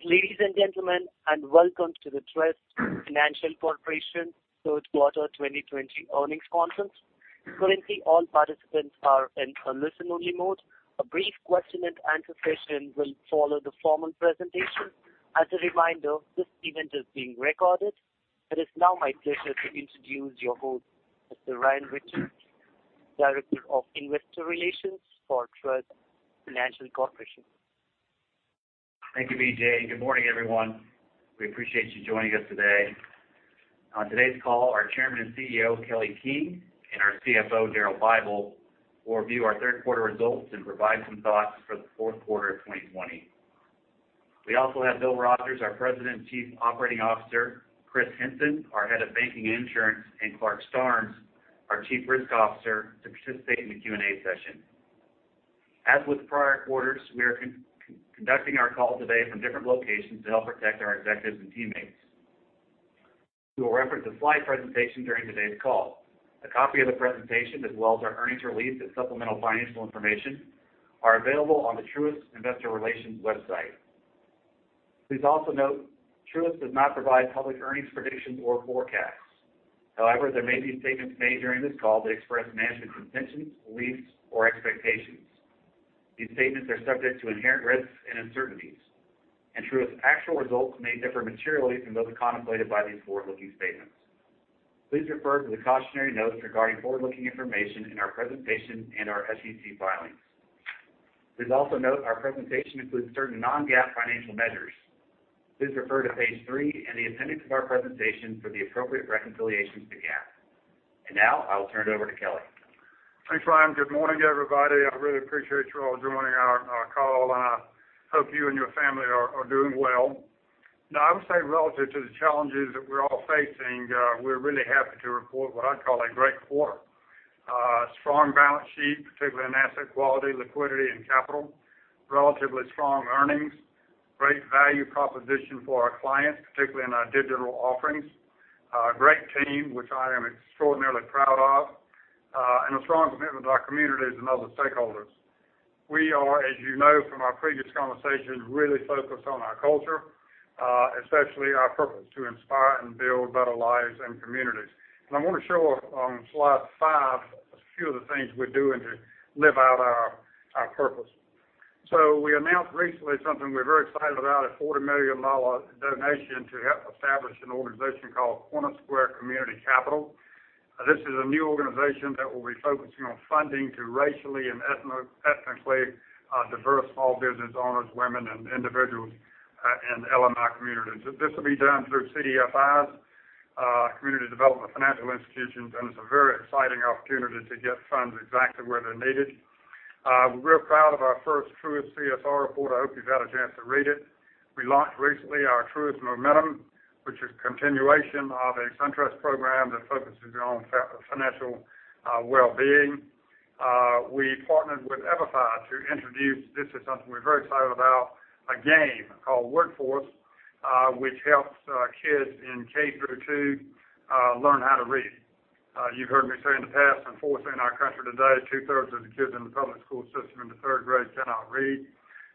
Greetings, ladies and gentlemen, welcome to the Truist Financial Corporation third quarter 2020 earnings conference. Currently, all participants are in a listen-only mode. A brief question-and-answer session will follow the formal presentation. As a reminder, this event is being recorded. It is now my pleasure to introduce your host, Mr. Ryan Richards, Director of Investor Relations for Truist Financial Corporation. Thank you, Vijay. Good morning, everyone. We appreciate you joining us today. On today's call, our Chairman and CEO, Kelly King, and our CFO, Daryl Bible, will review our third quarter results and provide some thoughts for the fourth quarter of 2020. We also have Bill Rogers, our President and Chief Operating Officer, Chris Henson, our Head of Banking and Insurance, and Clarke Starnes, our Chief Risk Officer, to participate in the Q&A session. As with prior quarters, we are conducting our call today from different locations to help protect our executives and teammates. We will reference a slide presentation during today's call. A copy of the presentation, as well as our earnings release and supplemental financial information, are available on the Truist investor relations website. Please also note Truist does not provide public earnings predictions or forecasts. However, there may be statements made during this call that express management's intentions, beliefs, or expectations. These statements are subject to inherent risks and uncertainties, and Truist's actual results may differ materially from those contemplated by these forward-looking statements. Please refer to the cautionary note regarding forward-looking information in our presentation and our SEC filings. Please also note our presentation includes certain non-GAAP financial measures. Please refer to page three in the appendix of our presentation for the appropriate reconciliations to GAAP. Now I will turn it over to Kelly. Thanks, Ryan. Good morning, everybody. I really appreciate you all joining our call, and I hope you and your family are doing well. Now, I would say relative to the challenges that we're all facing, we're really happy to report what I'd call a great quarter. A strong balance sheet, particularly in asset quality, liquidity, and capital, relatively strong earnings, great value proposition for our clients, particularly in our digital offerings, a great team, which I am extraordinarily proud of, and a strong commitment to our communities and other stakeholders. We are, as you know from our previous conversations, really focused on our culture, especially our purpose to inspire and build better lives and communities. I want to show on slide five a few of the things we're doing to live out our purpose. We announced recently something we're very excited about, a $40 million donation to help establish an organization called CornerSquare Community Capital. This is a new organization that will be focusing on funding to racially and ethnically diverse small business owners, women, and individuals in LMI communities. This will be done through CDFIs, Community Development Financial Institutions, and it's a very exciting opportunity to get funds exactly where they're needed. We're real proud of our first Truist CSR report. I hope you've had a chance to read it. We launched recently our Truist Momentum, which is a continuation of a SunTrust program that focuses on financial well-being. We partnered with EVERFI to introduce, this is something we're very excited about, a game called WORD Force which helps kids in K-2 learn how to read. You've heard me say in the past, unfortunately, in our country today, two-thirds of the kids in the public school system in the third grade cannot read.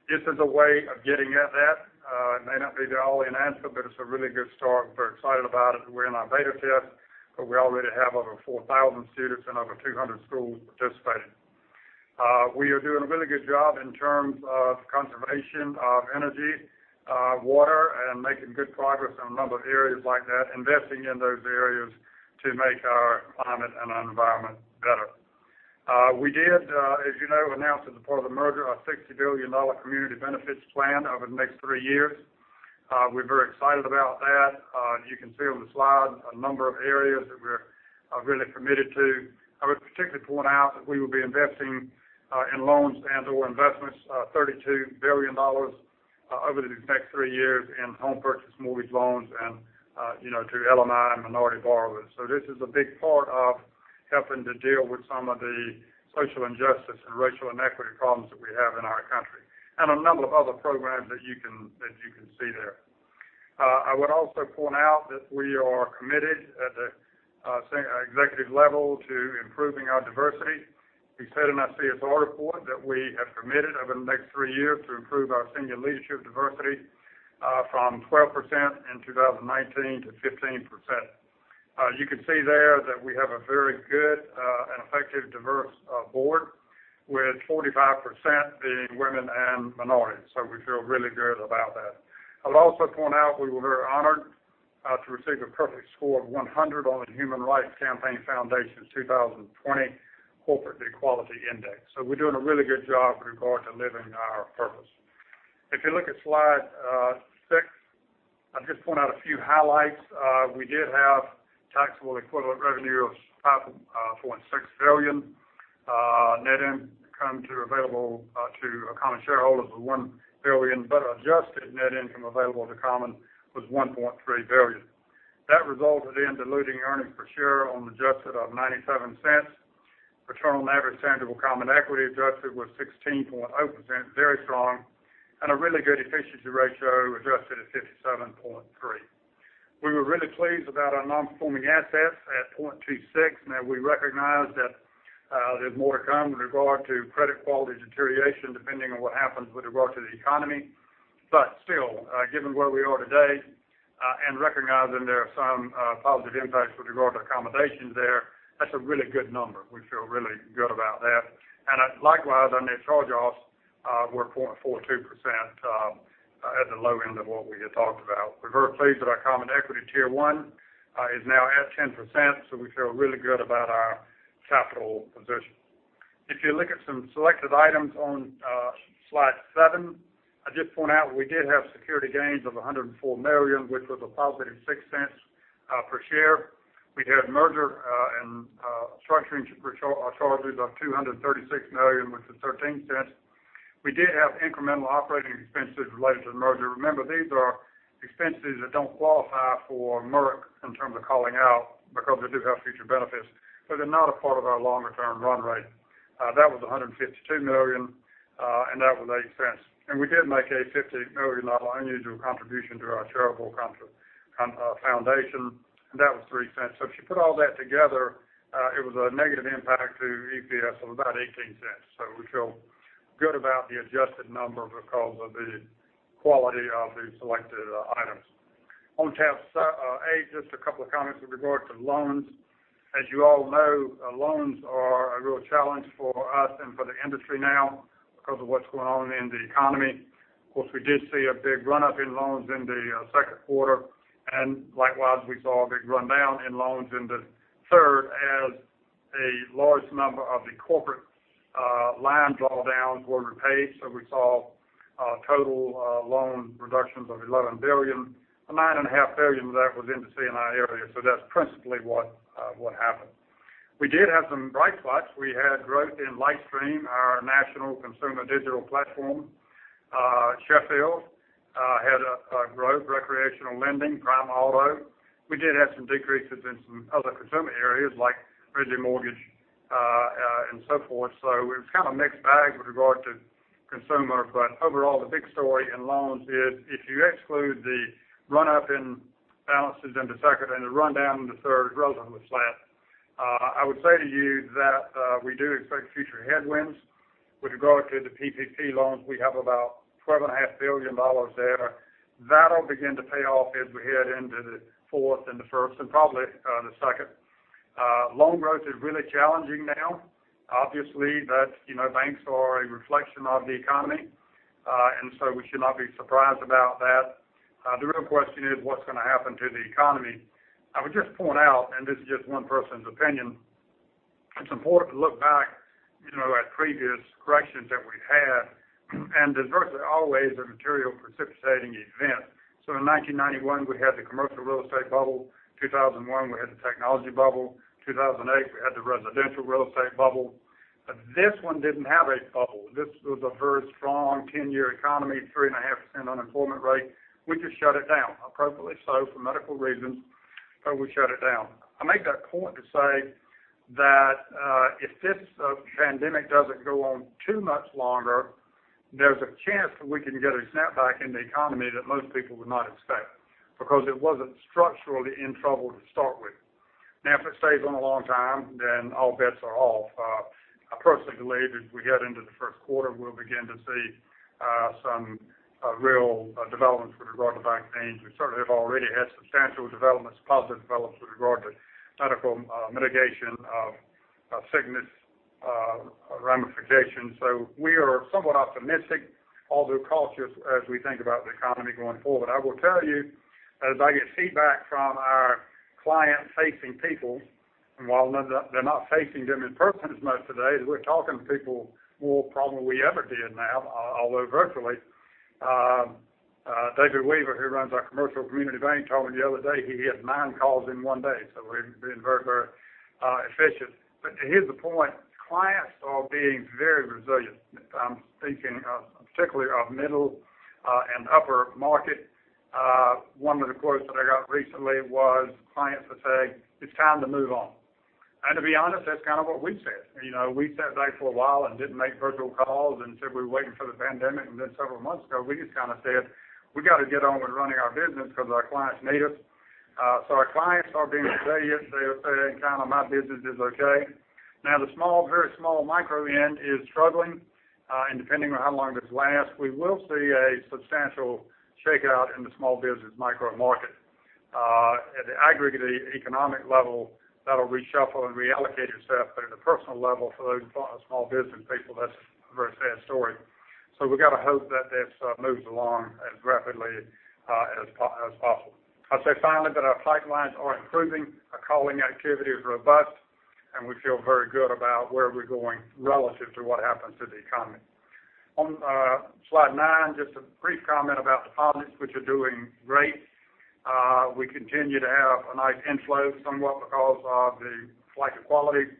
This is a way of getting at that. It may not be the only answer, but it's a really good start. We're excited about it. We're in our beta test, but we already have over 4,000 students and over 200 schools participating. We are doing a really good job in terms of conservation of energy, water, and making good progress in a number of areas like that, investing in those areas to make our climate and our environment better. We did, as you know, announce as a part of the merger, a $60 billion community benefits plan over the next three years. We're very excited about that. You can see on the slide a number of areas that we're really committed to. I would particularly point out that we will be investing in loans and/or investments, $32 billion over these next three years in home purchase mortgage loans and to LMI and minority borrowers. This is a big part of helping to deal with some of the social injustice and racial inequity problems that we have in our country, and a number of other programs that you can see there. I would also point out that we are committed at the executive level to improving our diversity. We said in our CSR report that we have committed over the next three years to improve our senior leadership diversity from 12% in 2019 to 15%. You can see there that we have a very good and effective diverse board with 45% being women and minorities. We feel really good about that. I'll also point out we were very honored to receive a perfect score of 100 on the Human Rights Campaign Foundation's 2020 Corporate Equality Index. We're doing a really good job with regard to living our purpose. If you look at slide six, I'll just point out a few highlights. We did have taxable equivalent revenue of $5.6 billion. Net income available to common shareholders was $1 billion, adjusted net income available to common was $1.3 billion. That resulted in diluted earnings per share on adjusted of $0.97. Return on average tangible common equity adjusted was 16.0%, very strong, and a really good efficiency ratio adjusted at 57.3%. We were really pleased about our non-performing assets at 0.26%, and we recognize that there's more to come with regard to credit quality deterioration depending on what happens with regard to the economy. Still, given where we are today, and recognizing there are some positive impacts with regard to accommodations there, that's a really good number. We feel really good about that. Likewise, our net charge-offs were 0.42% at the low end of what we had talked about. We're very pleased that our common equity Tier 1 is now at 10%, so we feel really good about our capital position. If you look at some selected items on slide seven, I did point out we did have security gains of $104 million, which was a positive $0.06 per share. We had merger and structuring charges of $236 million, which is $0.13. We did have incremental operating expenses related to the merger. Remember, these are expenses that don't qualify for merger in terms of calling out because they do have future benefits, but they're not a part of our longer-term run rate. That was $152 million, and that was $0.08. We did make a $50 million non-recurring contribution to our charitable foundation, and that was $0.03. If you put all that together, it was a negative impact to EPS of about $0.18. We feel good about the adjusted number because of the quality of the selected items. On tab A, just a couple of comments with regard to loans. As you all know, loans are a real challenge for us and for the industry now because of what's going on in the economy. Of course, we did see a big run-up in loans in the second quarter, and likewise, we saw a big run-down in loans in the third as a large number of the corporate line draw-downs were repaid. We saw total loan reductions of $11 billion. $9.5 billion of that was in the C&I area. That's principally what happened. We did have some bright spots. We had growth in LightStream, our national consumer digital platform. Sheffield had a growth, recreational lending, Prime Auto. We did have some decreases in some other consumer areas like residential mortgage and so forth. It was kind of a mixed bag with regard to consumer. Overall, the big story in loans is if you exclude the run-up in balances in the second and the run-down in the third was relative flat, I would say to you that we do expect future headwinds. With regard to the PPP loans, we have about $12.5 billion there. That'll begin to pay off as we head into the fourth and the first and probably the second. Loan growth is really challenging now. Obviously, banks are a reflection of the economy. We should not be surprised about that. The real question is what's going to happen to the economy. I would just point out, this is just one person's opinion, it's important to look back at previous corrections that we've had. There's virtually always a material precipitating event. In 1991, we had the commercial real estate bubble. 2001, we had the technology bubble. 2008, we had the residential real estate bubble. This one didn't have a bubble. This was a very strong 10-year economy, 3.5% unemployment rate. We just shut it down, appropriately so for medical reasons. We shut it down. I make that point to say that if this pandemic doesn't go on too much longer, there's a chance that we can get a snap back in the economy that most people would not expect because it wasn't structurally in trouble to start with. If it stays on a long time, then all bets are off. I personally believe as we head into the first quarter, we'll begin to see some real developments with regard to vaccines. We certainly have already had substantial developments, positive developments with regard to medical mitigation of sickness ramifications. We are somewhat optimistic, although cautious, as we think about the economy going forward. I will tell you, as I get feedback from our client-facing people, and while they're not facing them in person as much today, we're talking to people more probably than we ever did now, although virtually. David Weaver, who runs our commercial community bank, told me the other day he had nine calls in one day, we're being very efficient. Here's the point. Clients are being very resilient. I'm thinking particularly of middle and upper market. One of the quotes that I got recently was clients that say, it's time to move on. To be honest, that's kind of what we said. We sat back for a while and didn't make virtual calls until we were waiting for the pandemic, several months ago, we just kind of said, we got to get on with running our business because our clients need us. Our clients are being resilient. They're saying, my business is okay. Now, the small, very small micro end is struggling, and depending on how long this lasts, we will see a substantial shakeout in the small business micro market. At the aggregate economic level, that'll reshuffle and reallocate itself, but at a personal level, for those small business people, that's a very sad story. We've got to hope that this moves along as rapidly as possible. I'll say finally that our pipelines are improving, our calling activity is robust, and we feel very good about where we're going relative to what happens to the economy. On slide nine, just a brief comment about deposits, which are doing great. We continue to have a nice inflow somewhat because of the flight to quality.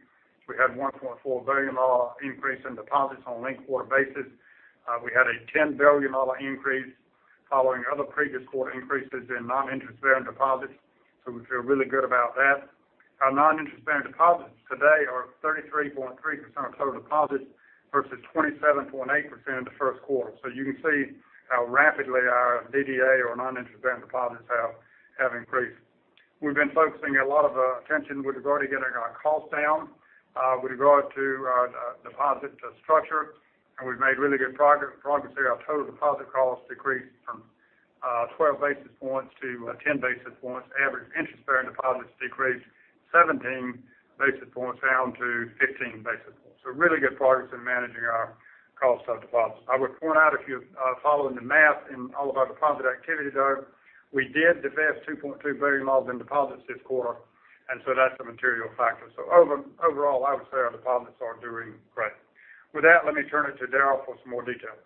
We had $1.4 billion increase in deposits on linked quarter basis. We had a $10 billion increase following other previous quarter increases in non-interest-bearing deposits. We feel really good about that. Our non-interest-bearing deposits today are 33.3% of total deposits, versus 27.8% in the first quarter. You can see how rapidly our DDA or non-interest-bearing deposits have increased. We've been focusing a lot of attention with regard to getting our costs down, with regard to our deposit structure, and we've made really good progress there. Our total deposit costs decreased from 12 basis points to 10 basis points. Average interest-bearing deposits decreased 17 basis points down to 15 basis points. Really good progress in managing our cost of deposits. I would point out if you're following the math in all of our deposit activity there, we did divest $2.2 billion in deposits this quarter, and so that's the material factor. Overall, I would say our deposits are doing great. With that, let me turn it to Daryl for some more detail.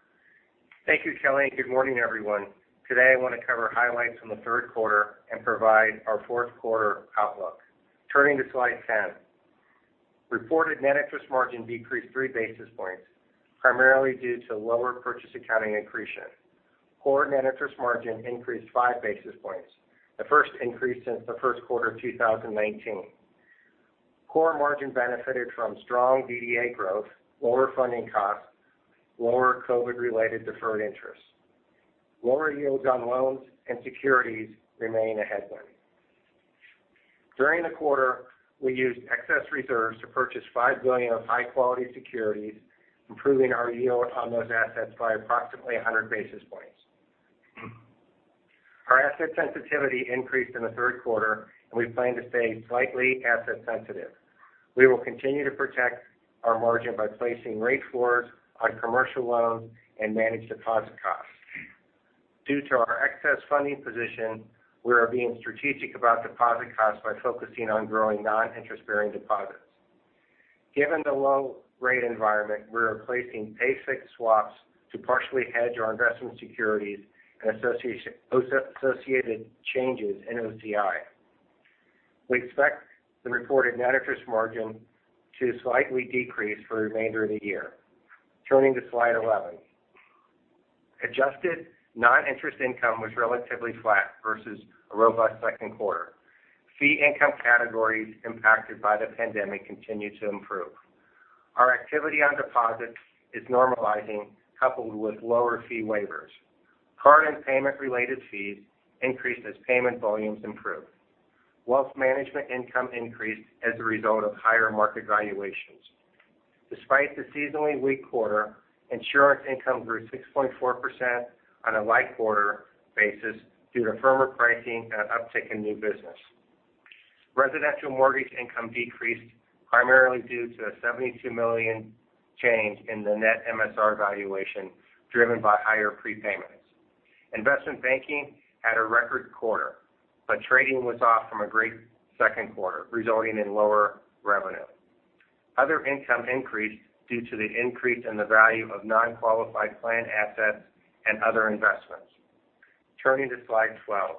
Thank you, Kelly, and good morning, everyone. Today, I want to cover highlights from the third quarter and provide our fourth quarter outlook. Turning to slide 10. Reported net interest margin decreased three basis points, primarily due to lower purchase accounting accretion. Core net interest margin increased five basis points, the first increase since the first quarter of 2019. Core margin benefited from strong DDA growth, lower funding costs, lower COVID related deferred interest. Lower yields on loans and securities remain a headwind. During the quarter, we used excess reserves to purchase $5 billion of high-quality securities, improving our yield on those assets by approximately 100 basis points. Our asset sensitivity increased in the third quarter, and we plan to stay slightly asset sensitive. We will continue to protect our margin by placing rate floors on commercial loans and manage deposit costs. Due to our excess funding position, we are being strategic about deposit costs by focusing on growing non-interest bearing deposits. Given the low rate environment, we're replacing basic swaps to partially hedge our investment securities and associated changes in OCI. We expect the reported net interest margin to slightly decrease for the remainder of the year. Turning to slide 11. Adjusted non-interest income was relatively flat versus a robust second quarter. Fee income categories impacted by the pandemic continue to improve. Our activity on deposits is normalizing, coupled with lower fee waivers. Card and payment-related fees increased as payment volumes improved. Wealth management income increased as a result of higher market valuations. Despite the seasonally weak quarter, insurance income grew 6.4% on a like quarter basis due to firmer pricing and an uptick in new business. Residential mortgage income decreased primarily due to a $72 million change in the net MSR valuation, driven by higher prepayments. Investment banking had a record quarter. Trading was off from a great second quarter, resulting in lower revenue. Other income increased due to the increase in the value of non-qualified plan assets and other investments. Turning to slide 12.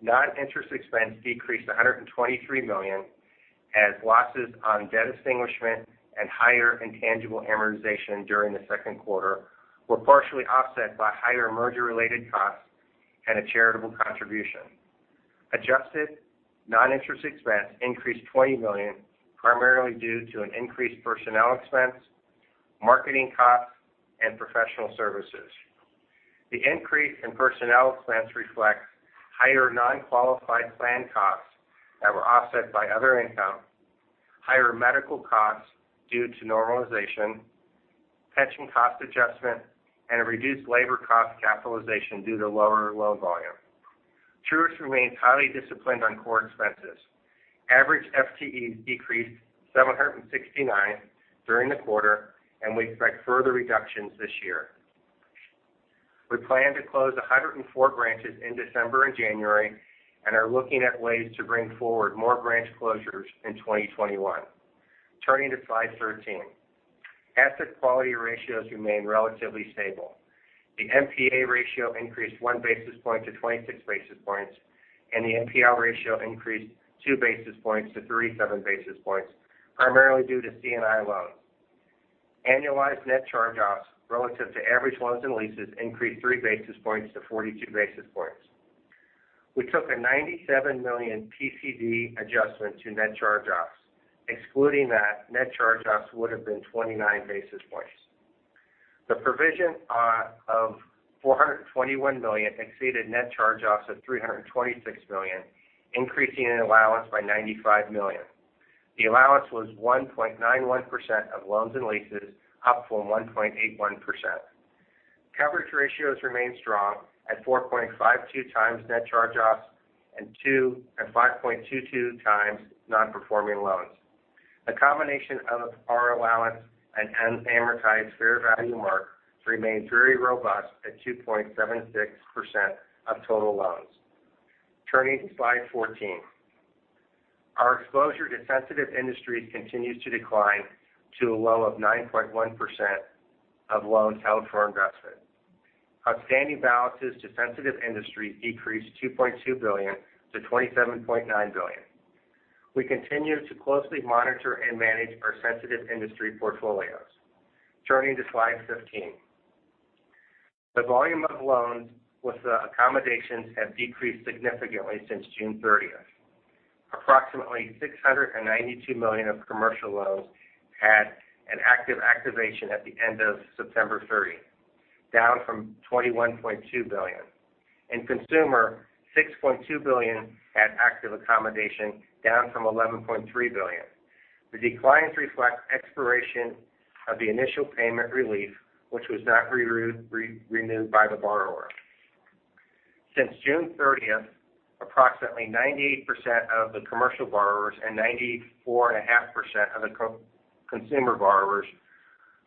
Non-interest expense decreased $123 million as losses on debt extinguishment and higher intangible amortization during the second quarter were partially offset by higher merger related costs and a charitable contribution. Adjusted non-interest expense increased $20 million, primarily due to an increase in personnel expense, marketing costs, and professional services. The increase in personnel expense reflects higher non-qualified plan costs that were offset by other income, higher medical costs due to normalization, pension cost adjustment, and a reduced labor cost capitalization due to lower loan volume. Truist remains highly disciplined on core expenses. Average FTEs decreased 769 during the quarter, and we expect further reductions this year. We plan to close 104 branches in December and January and are looking at ways to bring forward more branch closures in 2021. Turning to slide 13. Asset quality ratios remain relatively stable. The NPA ratio increased one basis point to 26 basis points, and the NPL ratio increased 2 basis points to 37 basis points, primarily due to C&I loans. Annualized net charge-offs relative to average loans and leases increased 3 basis points to 42 basis points. We took a $97 million PCD adjustment to net charge-offs. Excluding that, net charge-offs would have been 29 basis points. The provision of $421 million exceeded net charge-offs of $326 million, increasing in allowance by $95 million. The allowance was 1.91% of loans and leases, up from 1.81%. Coverage ratios remain strong at 4.52 times net charge-offs and 5.22 times non-performing loans. A combination of our allowance and unamortized fair value mark remains very robust at 2.76% of total loans. Turning to slide 14. Our exposure to sensitive industries continues to decline to a low of 9.1% of loans held for investment. Outstanding balances to sensitive industries decreased $2.2 billion to $27.9 billion. We continue to closely monitor and manage our sensitive industry portfolios. Turning to slide 15. The volume of loans with the accommodations have decreased significantly since June 30th. Approximately $692 million of commercial loans had an active activation at the end of September 30, down from $21.2 billion. In consumer, $6.2 billion had active accommodation, down from $11.3 billion. The declines reflect expiration of the initial payment relief, which was not renewed by the borrower. Since June 30th, approximately 98% of the commercial borrowers and 94.5% of the consumer borrowers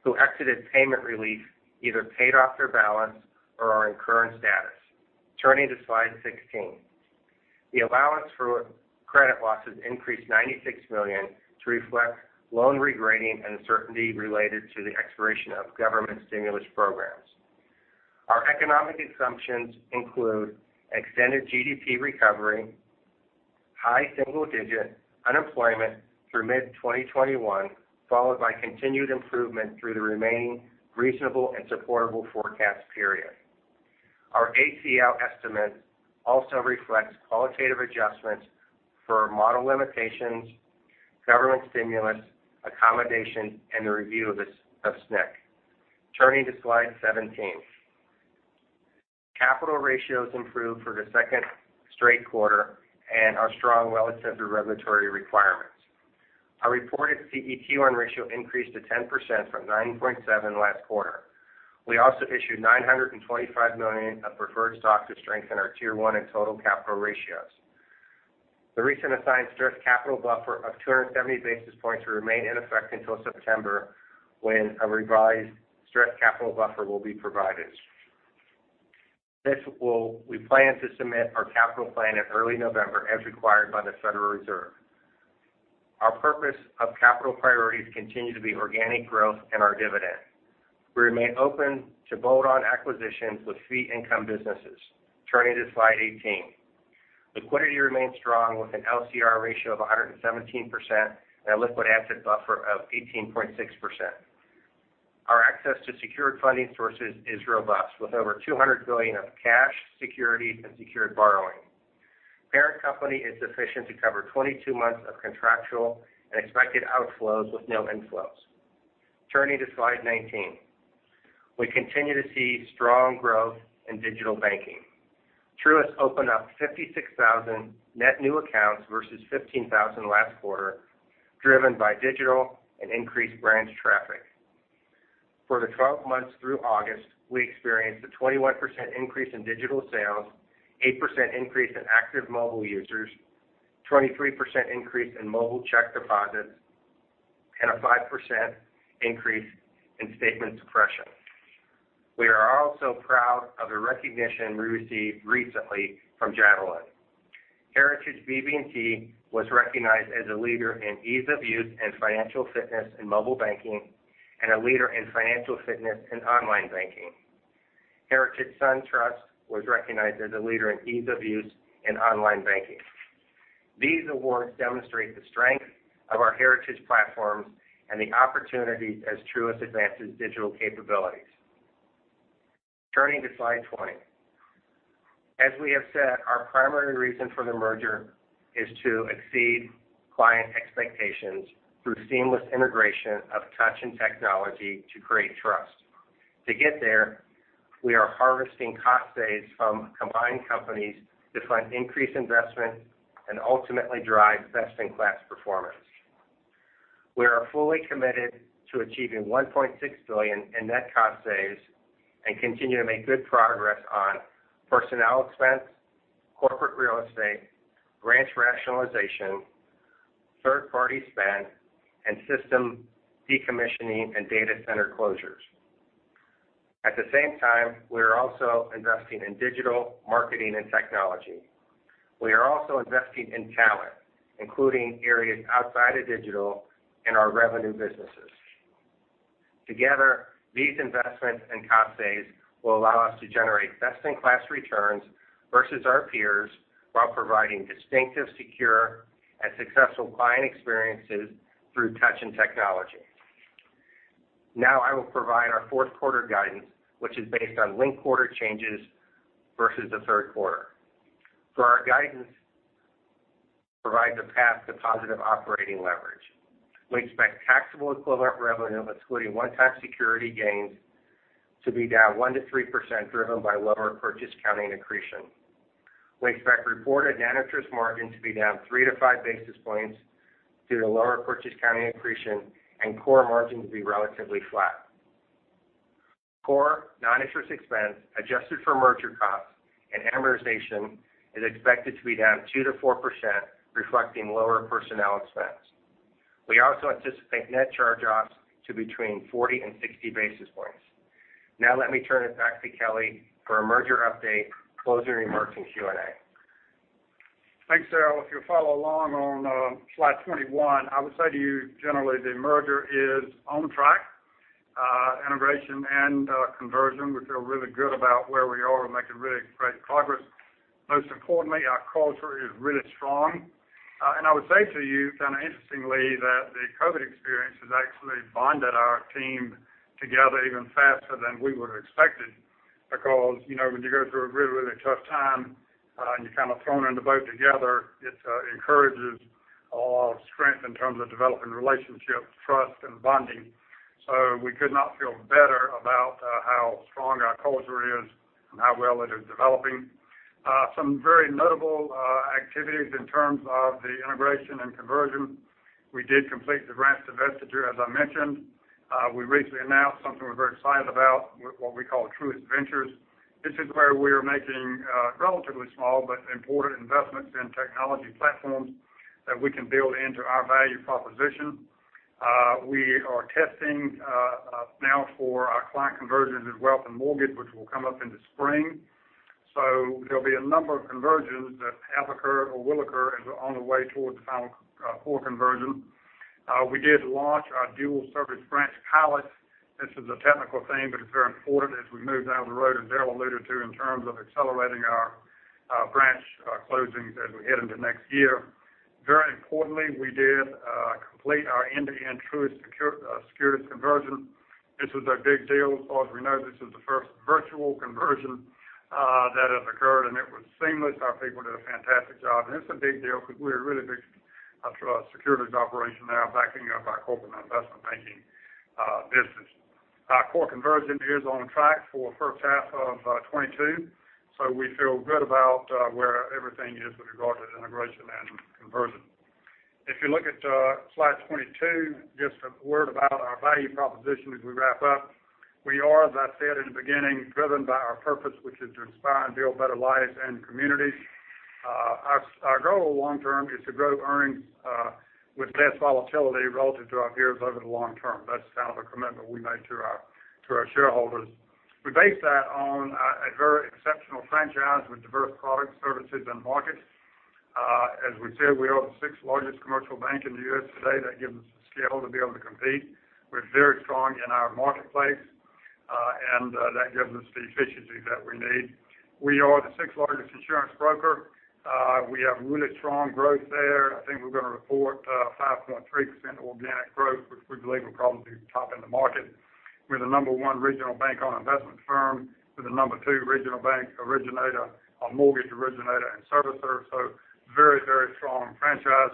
who exited payment relief either paid off their balance or are in current status. Turning to slide 16. The allowance for credit losses increased $96 million to reflect loan regrading and uncertainty related to the expiration of government stimulus programs. Our economic assumptions include extended GDP recovery, high single-digit unemployment through mid-2021, followed by continued improvement through the remaining reasonable and supportable forecast period. Our ACL estimate also reflects qualitative adjustments for model limitations, government stimulus, accommodation, and the review of SNC. Turning to slide 17. Capital ratios improved for the second straight quarter and are strong well ahead of regulatory requirements. Our reported CET1 ratio increased to 10% from 9.7 last quarter. We also issued $925 million of preferred stock to strengthen our Tier 1 and total capital ratios. The recent assigned stress capital buffer of 270 basis points will remain in effect until September, when a revised stress capital buffer will be provided. We plan to submit our capital plan in early November, as required by the Federal Reserve. Our purpose of capital priorities continue to be organic growth and our dividend. We remain open to bolt-on acquisitions with fee income businesses. Turning to slide 18. Liquidity remains strong with an LCR ratio of 117% and a liquid asset buffer of 18.6%. Our access to secured funding sources is robust, with over $200 billion of cash, securities, and secured borrowing. Parent company is sufficient to cover 22 months of contractual and expected outflows with no inflows. Turning to slide 19. We continue to see strong growth in digital banking. Truist opened up 56,000 net new accounts versus 15,000 last quarter, driven by digital and increased branch traffic. For the 12 months through August, we experienced a 21% increase in digital sales, 8% increase in active mobile users, 23% increase in mobile check deposits, and a 5% increase in statement suppression. We are also proud of the recognition we received recently from Javelin. Heritage BB&T was recognized as a leader in ease of use in financial fitness and mobile banking, and a leader in financial fitness in online banking. Heritage SunTrust was recognized as a leader in ease of use in online banking. These awards demonstrate the strength of our Heritage platforms and the opportunities as Truist advances digital capabilities. Turning to slide 20. As we have said, our primary reason for the merger is to exceed client expectations through seamless integration of touch and technology to create trust. To get there, we are harvesting cost saves from combined companies to fund increased investment and ultimately drive best-in-class performance. We are fully committed to achieving $1.6 billion in net cost saves and continue to make good progress on personnel expense, corporate real estate, branch rationalization, third-party spend, and system decommissioning and data center closures. At the same time, we are also investing in digital marketing and technology. We are also investing in talent, including areas outside of digital and our revenue businesses. Together, these investments and cost saves will allow us to generate best-in-class returns versus our peers while providing distinctive, secure, and successful client experiences through touch and technology. I will provide our fourth quarter guidance, which is based on linked-quarter changes versus the third quarter. For our guidance, provide the path to positive operating leverage. We expect taxable equivalent revenue, excluding one-time security gains, to be down 1%-3%, driven by lower purchase accounting accretion. We expect reported net interest margin to be down 3-5 basis points due to lower purchase accounting accretion and core margin to be relatively flat. Core non-interest expense, adjusted for merger costs and amortization, is expected to be down 2%-4%, reflecting lower personnel expense. We also anticipate net charge-offs to between 40 and 60 basis points. Let me turn it back to Kelly for a merger update, closing remarks, and Q&A. Thanks, Daryl. If you follow along on slide 21, I would say to you, generally, the merger is on track. Integration and conversion, we feel really good about where we are. We're making really great progress. Most importantly, our culture is really strong. I would say to you, kind of interestingly, that the COVID experience has actually bonded our team together even faster than we would've expected. When you go through a really tough time and you're kind of thrown in the boat together, it encourages a lot of strength in terms of developing relationships, trust, and bonding. We could not feel better about how strong our culture is and how well it is developing. Some very notable activities in terms of the integration and conversion. We did complete the branch divestiture, as I mentioned. We recently announced something we're very excited about, what we call Truist Ventures. This is where we are making relatively small but important investments in technology platforms that we can build into our value proposition. We are testing now for our client conversions as wealth and mortgage, which will come up in the spring. There'll be a number of conversions that have occurred or will occur as we're on the way towards the final core conversion. We did launch our dual service branch pilot. This is a technical thing, but it's very important as we move down the road, as Daryl alluded to, in terms of accelerating our branch closings as we head into next year. Very importantly, we did complete our end-to-end Truist Securities conversion. This was a big deal. As far as we know, this is the first virtual conversion that has occurred, and it was seamless. Our people did a fantastic job. It's a big deal because we're a really big securities operation now backing up our corporate and investment banking business. Our core conversion is on track for the first half of 2022. We feel good about where everything is with regard to integration and conversion. If you look at slide 22, just a word about our value proposition as we wrap up. We are, as I said in the beginning, driven by our purpose, which is to inspire and build better lives and communities. Our goal long term is to grow earnings with less volatility relative to our peers over the long term. That's kind of a commitment we made to our shareholders. We base that on a very exceptional franchise with diverse products, services, and markets. As we said, we are the sixth largest commercial bank in the U.S. today. That gives us the scale to be able to compete. We're very strong in our marketplace, and that gives us the efficiency that we need. We are the sixth largest insurance broker. We have really strong growth there. I think we're going to report 5.3% organic growth, which we believe will probably be top in the market. We're the number one regional bank-owned investment firm. We're the number two regional bank originator or mortgage originator and servicer. Very strong franchise.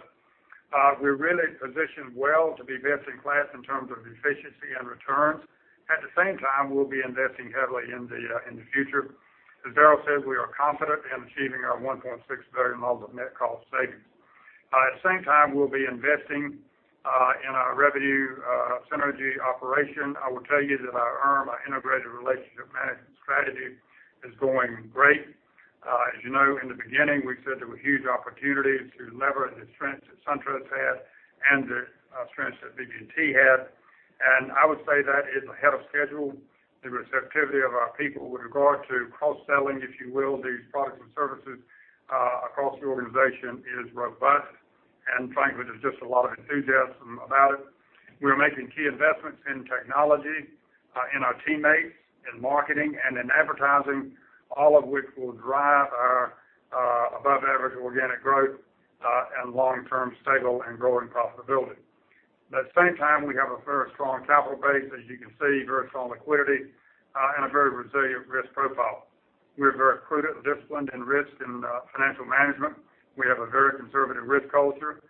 We're really positioned well to be best in class in terms of efficiency and returns. At the same time, we'll be investing heavily in the future. As Daryl said, we are confident in achieving our $1.6 billion of net cost savings. At the same time, we'll be investing in our revenue synergy operation. I will tell you that our IRM, our integrated relationship management strategy, is going great. As you know, in the beginning, we said there were huge opportunities to leverage the strengths that SunTrust had and the strengths that BB&T had. I would say that is ahead of schedule. The receptivity of our people with regard to cross-selling, if you will, these products and services across the organization is robust. Frankly, there's just a lot of enthusiasm about it. We are making key investments in technology, in our teammates, in marketing, and in advertising, all of which will drive our above-average organic growth, and long-term stable and growing profitability. At the same time, we have a very strong capital base, as you can see, very strong liquidity, and a very resilient risk profile. We're very prudent and disciplined in risk and financial management. We have a very conservative risk culture.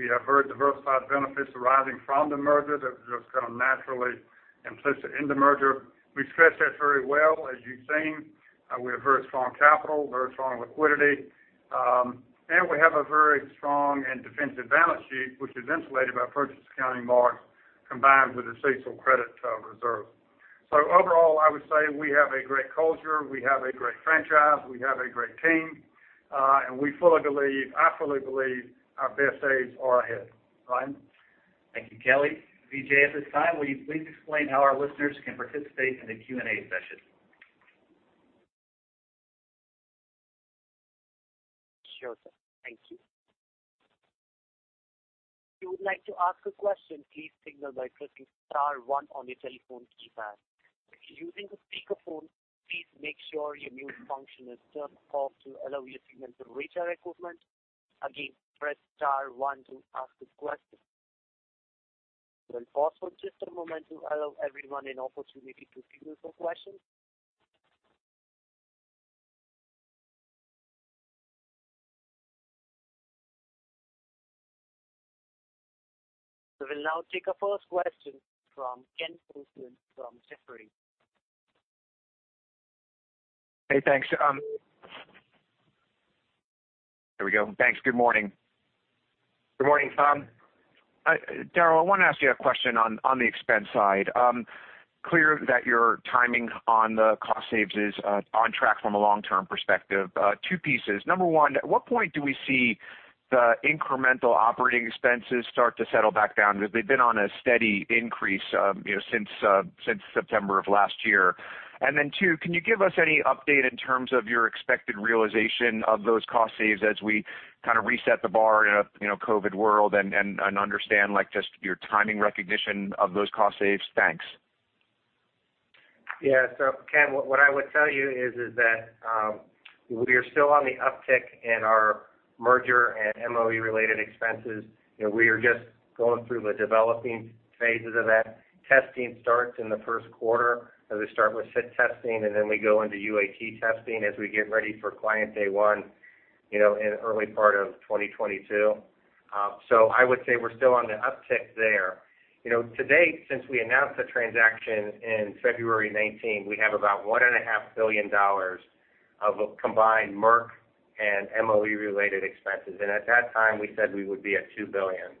We have very diversified benefits arising from the merger that was just kind of naturally implicit in the merger. We've stretched that very well, as you've seen. We have very strong capital, very strong liquidity. We have a very strong and defensive balance sheet, which is insulated by purchase accounting marks combined with a CECL credit reserve. Overall, I would say we have a great culture, we have a great franchise, we have a great team. I fully believe our best days are ahead. Ryan? Thank you, Kelly. Vijay, at this time, will you please explain how our listeners can participate in the Q&A session? Sure, sir. Thank you. If you would like to ask a question, please signal by pressing star one on your telephone keypad. If you're using a speakerphone, please make sure your mute function is turned off to allow your signal to reach our equipment. Again, press star one to ask a question. We'll pause for just a moment to allow everyone an opportunity to signal for questions. We will now take our first question from Ken Usdin from Jefferies. Hey, thanks. There we go. Thanks. Good morning. Goodmorning, Ken. Daryl, I want to ask you a question on the expense side. Clear that your timing on the cost saves is on track from a long-term perspective. Two pieces. Number one, at what point do we see the incremental operating expenses start to settle back down? Because they've been on a steady increase since September of last year. Two, can you give us any update in terms of your expected realization of those cost saves as we kind of reset the bar in a COVID world and understand just your timing recognition of those cost saves? Thanks. Yes. Ken, what I would tell you is that we are still on the uptick in our merger and MOE-related expenses. We are just going through the developing phases of that. Testing starts in the first quarter, as we start with SIT testing, and then we go into UAT testing as we get ready for client day one in early part of 2022. I would say we're still on the uptick there. To date, since we announced the transaction in February 19, we have about $1.5 billion of combined merger and MOE related expenses. At that time, we said we would be at $2 billion.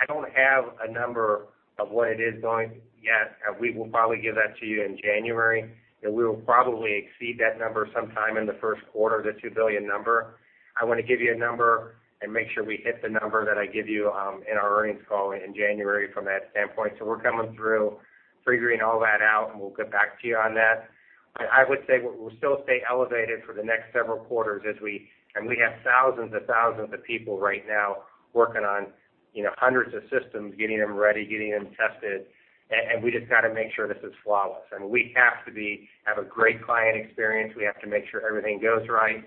I don't have a number of what it is going yet. We will probably give that to you in January, and we will probably exceed that number sometime in the first quarter, the $2 billion number. I want to give you a number and make sure we hit the number that I give you in our earnings call in January from that standpoint. We're coming through figuring all that out, and we'll get back to you on that. I would say we'll still stay elevated for the next several quarters as we have thousands and thousands of people right now working on hundreds of systems, getting them ready, getting them tested. we just got to make sure this is flawless. I mean, we have to have a great client experience. We have to make sure everything goes right.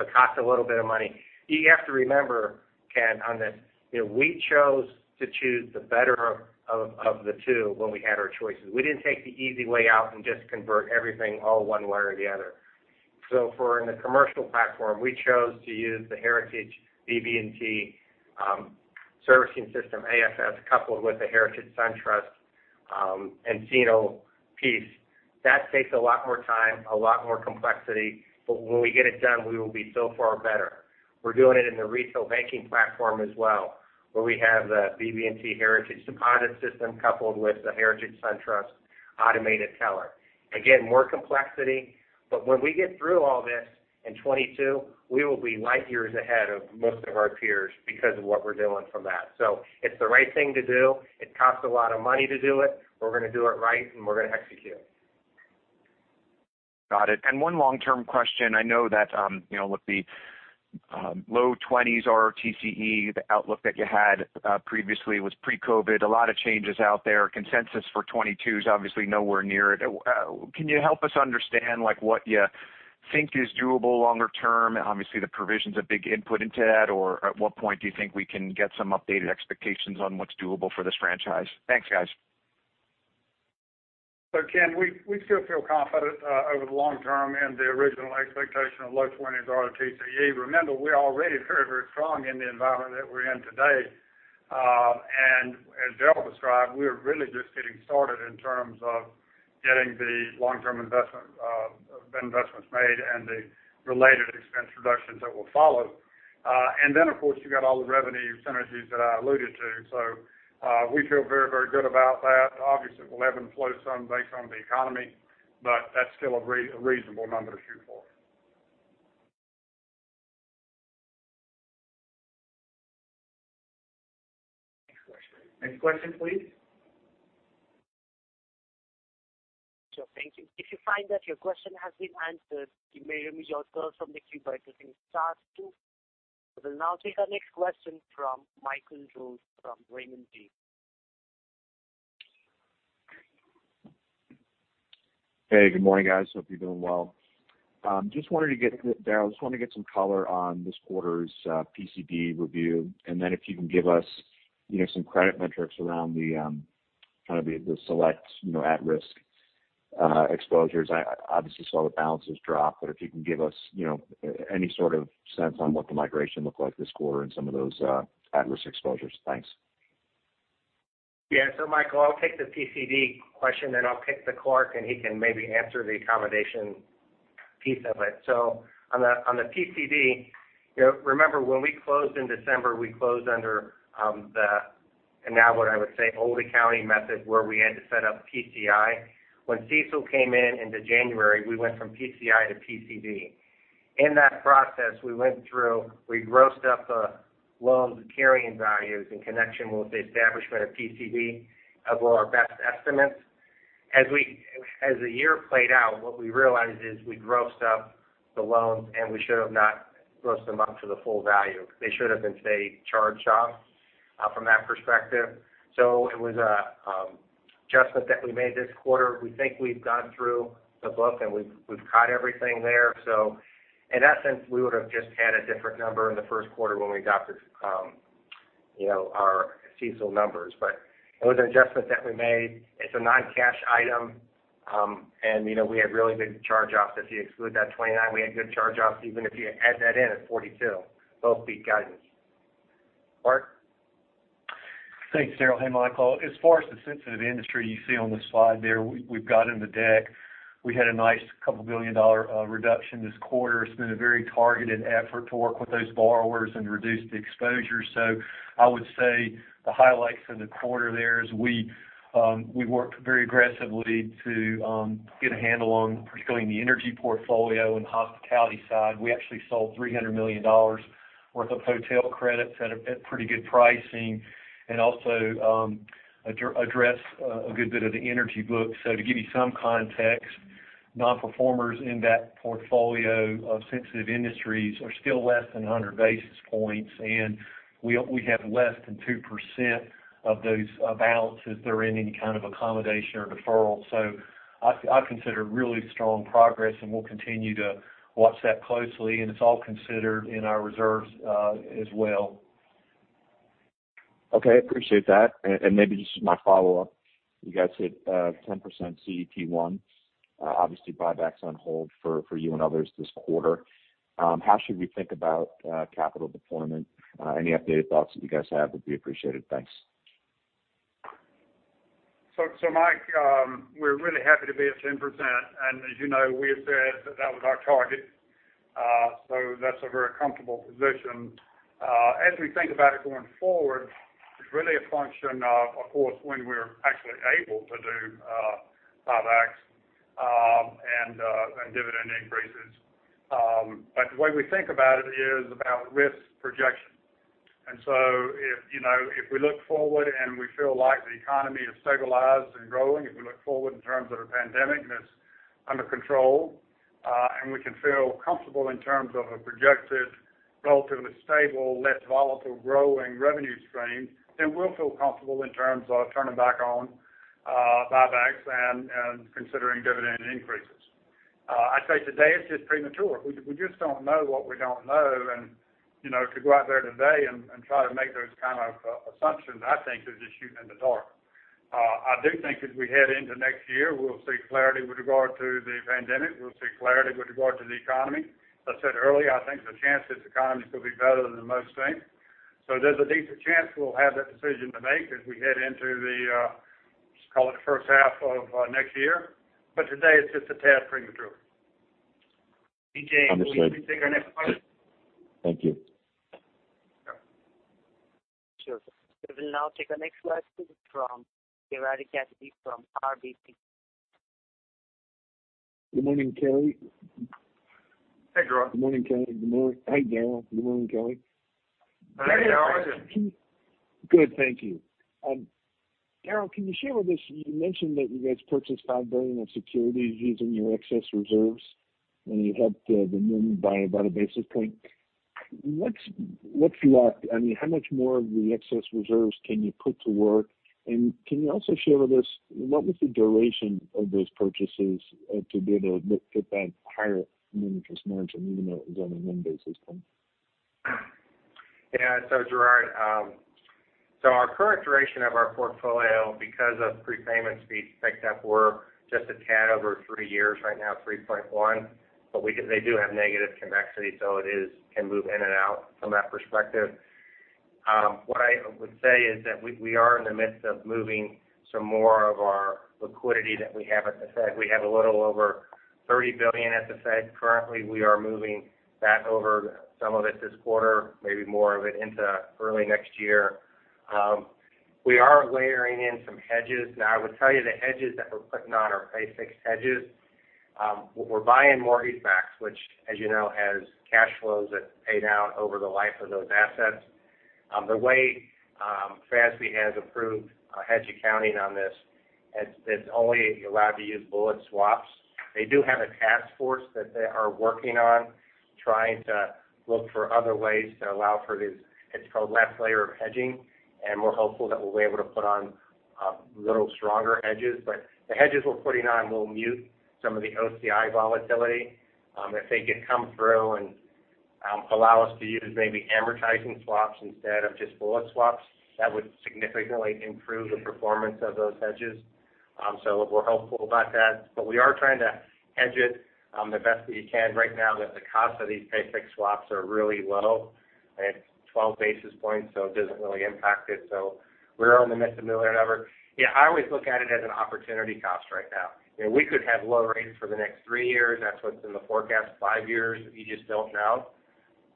It costs a little bit of money. You have to remember, Ken, on this, we chose to choose the better of the two when we had our choices. We didn't take the easy way out and just convert everything all one way or the other. For in the commercial platform, we chose to use the Heritage BB&T servicing system, AFS, coupled with the Heritage SunTrust and nCino piece. That takes a lot more time, a lot more complexity, but when we get it done, we will be so far better. We're doing it in the retail banking platform as well, where we have the BB&T Heritage deposit system coupled with the Heritage SunTrust automated teller. Again, more complexity, but when we get through all this in 2022, we will be light years ahead of most of our peers because of what we're doing from that. It's the right thing to do. It costs a lot of money to do it. We're going to do it right and we're going to execute. Got it. One long-term question. I know that with the low 20s ROTCE, the outlook that you had previously was pre-COVID. A lot of changes out there. Consensus for 2022 is obviously nowhere near it. Can you help us understand what you think is doable longer term? Obviously, the provision's a big input into that, or at what point do you think we can get some updated expectations on what's doable for this franchise? Thanks, guys. Ken, we still feel confident over the long term in the original expectation of low 20s ROTCE. Remember, we're already very strong in the environment that we're in today. As Daryl described, we are really just getting started in terms of getting the long-term investments made and the related expense reductions that will follow. Of course, you've got all the revenue synergies that I alluded to. We feel very good about that. Obviously, it will ebb and flow some based on the economy, but that's still a reasonable number to shoot for. Next question. Next question, please. Sure. Thank you. If you find that your question has been answered, you may remove yourself from the queue by pressing star two. We will now take our next question from Michael Rose from Raymond James. Hey. Good morning, guys. Hope you're doing well. Daryl, just wanted to get some color on this quarter's PCD review, and then if you can give us some credit metrics around the select at-risk exposures. I obviously saw the balances drop, but if you can give us any sort of sense on what the migration looked like this quarter and some of those at-risk exposures. Thanks. Yeah. Michael, I'll take the PCD question, then I'll kick to Clarke, and he can maybe answer the accommodation piece of it. On the PCD, remember when we closed in December, we closed under the, and now what I would say old accounting method, where we had to set up PCI. When CECL came in into January, we went from PCI to PCD. In that process, we went through, we grossed up the loans and carrying values in connection with the establishment of PCD of all our best estimates. As the year played out, what we realized is we grossed up the loans, and we should have not grossed them up to the full value. They should have been, say, charged off from that perspective. It was an adjustment that we made this quarter. We think we've gone through the book, and we've caught everything there. In that sense, we would've just had a different number in the first quarter when we got our CECL numbers. It was an adjustment that we made. It's a non-cash item. We had really big charge-offs. If you exclude that 29, we had good charge-offs, even if you add that in at 42, both beat guidance. Clarke? Thanks, Daryl. Hey, Michael. As far as the sensitive industry you see on the slide there, we've got in the deck, we had a nice couple billion dollar reduction this quarter. It's been a very targeted effort to work with those borrowers and reduce the exposure. I would say the highlights of the quarter there is we worked very aggressively to get a handle on particularly the energy portfolio and hospitality side. We actually sold $300 million worth of hotel credits at a pretty good pricing and also addressed a good bit of the energy book. To give you some context Non-performers in that portfolio of sensitive industries are still less than 100 basis points, and we have less than 2% of those balances that are in any kind of accommodation or deferral. I consider really strong progress, and we'll continue to watch that closely, and it's all considered in our reserves as well. Okay. Appreciate that. Maybe this is my follow-up. You guys hit 10% CET1. Obviously, buyback's on hold for you and others this quarter. How should we think about capital deployment? Any updated thoughts that you guys have would be appreciated. Thanks. Mike, we're really happy to be at 10%, and as you know, we have said that that was our target. That's a very comfortable position. As we think about it going forward, it's really a function of course, when we're actually able to do buybacks and dividend increases. The way we think about it is about risk projection. If we look forward and we feel like the economy is stabilized and growing, if we look forward in terms of the pandemic and it's under control, and we can feel comfortable in terms of a projected, relatively stable, less volatile growing revenue stream, then we'll feel comfortable in terms of turning back on buybacks and considering dividend increases. I'd say today it's just premature. We just don't know what we don't know, and to go out there today and try to make those kind of assumptions, I think is just shooting in the dark. I do think as we head into next year, we'll see clarity with regard to the pandemic. We'll see clarity with regard to the economy. As I said earlier, I think the chances the economy could be better than most think. There's a decent chance we'll have that decision to make as we head into the, let's call it the first half of next year. Today, it's just a tad premature. Understood. Vijay, will you take our next question? Thank you. Sure. Sure. We will now take our next question from Gerard Cassidy from RBC. Good morning, Kelly. Hey, Gerard. Good morning, Kelly. Good morning. Hi, Daryl. Good morning, Kelly. Hi. How are you? Good, thank you. Daryl, can you share with us, you mentioned that you guys purchased $5 billion of securities using your excess reserves, and you helped the margin by about a basis point. What's left? How much more of the excess reserves can you put to work? Can you also share with us what was the duration of those purchases to be able to get that higher net interest margin, even though it was only one basis point? Yeah. Gerard, so our current duration of our portfolio, because of prepayment speeds picked up, we're just a tad over three years right now, 3.1. They do have negative convexity, so it can move in and out from that perspective. What I would say is that we are in the midst of moving some more of our liquidity that we have at the Fed. We have a little over $30 billion at the Fed currently. We are moving that over, some of it this quarter, maybe more of it into early next year. We are layering in some hedges. Now, I would tell you, the hedges that we're putting on are pay fixed hedges. We're buying more MBSs, which, as you know, has cash flows that pay down over the life of those assets. The way FASB has approved hedge accounting on this, it's only allowed to use bullet swaps. They do have a task force that they are working on, trying to look for other ways to allow for these, it's called last layer of hedging, and we're hopeful that we'll be able to put on a little stronger hedges. The hedges we're putting on will mute some of the OCI volatility. If they could come through and allow us to use maybe amortizing swaps instead of just bullet swaps, that would significantly improve the performance of those hedges. We're hopeful about that. We are trying to hedge it the best we can right now that the cost of these pay fixed swaps are really low. It's 12 basis points, so it doesn't really impact it. We're in the midst of moving it over. Yeah, I always look at it as an opportunity cost right now. We could have low rates for the next three years. That's what's in the forecast, five years. You just don't know.